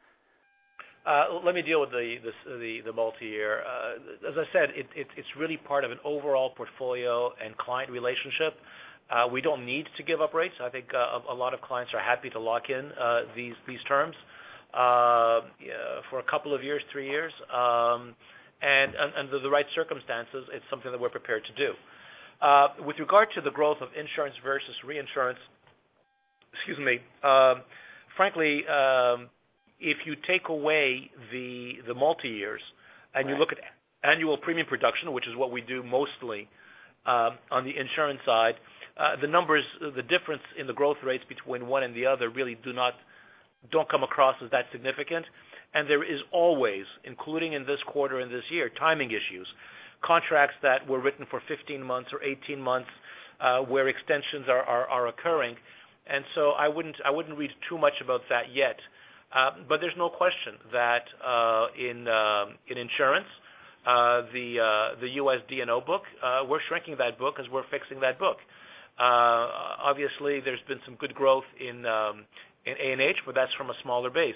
Let me deal with the multi-year. As I said, it's really part of an overall portfolio and client relationship. We don't need to give up rates. I think a lot of clients are happy to lock in these terms for a couple of years, three years. Under the right circumstances, it's something that we're prepared to do. With regard to the growth of insurance versus reinsurance, frankly, if you take away the multi years and you look at annual premium production, which is what we do mostly on the insurance side, the difference in the growth rates between one and the other really don't come across as that significant. There is always, including in this quarter and this year, timing issues. Contracts that were written for 15 months or 18 months where extensions are occurring. So I wouldn't read too much about that yet. There's no question that in insurance, the U.S. D&O book, we're shrinking that book as we're fixing that book. Obviously, there's been some good growth in A&H, but that's from a smaller base.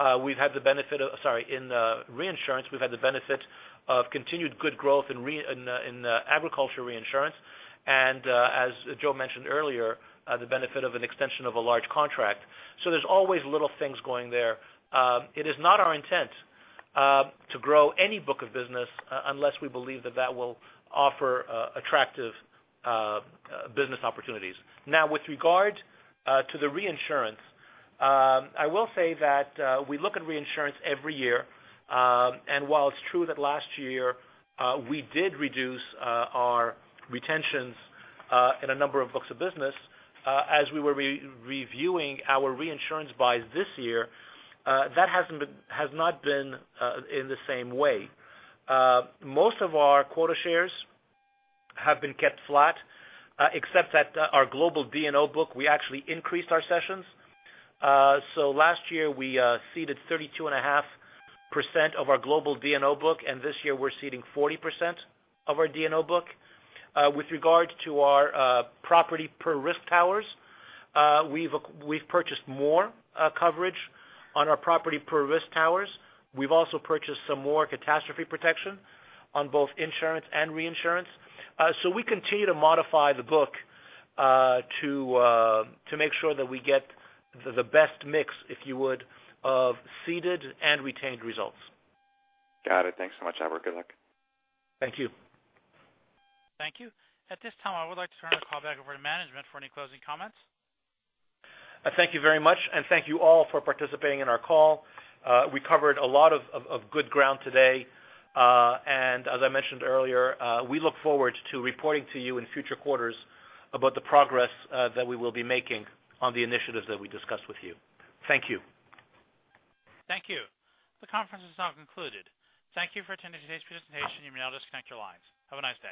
In reinsurance, we've had the benefit of continued good growth in agriculture reinsurance, and as Joe mentioned earlier, the benefit of an extension of a large contract. There's always little things going there. It is not our intent to grow any book of business unless we believe that that will offer attractive business opportunities. Now with regard to the reinsurance, I will say that we look at reinsurance every year. While it's true that last year we did reduce our retentions in a number of books of business, as we were reviewing our reinsurance buys this year, that has not been in the same way. Most of our quota shares have been kept flat, except at our global D&O book, we actually increased our cessions. Last year, we ceded 32.5% of our global D&O book, and this year we're ceding 40% of our D&O book. With regard to our property per risk towers, we've purchased more coverage on our property per risk towers. We've also purchased some more catastrophe protection on both insurance and reinsurance. We continue to modify the book to make sure that we get the best mix, if you would, of ceded and retained results. Got it. Thanks so much, Albert. Good luck. Thank you. Thank you. At this time, I would like to turn the call back over to management for any closing comments. Thank you very much, and thank you all for participating in our call. We covered a lot of good ground today. As I mentioned earlier, we look forward to reporting to you in future quarters about the progress that we will be making on the initiatives that we discussed with you. Thank you. Thank you. The conference is now concluded. Thank you for attending today's presentation. You may now disconnect your lines. Have a nice day.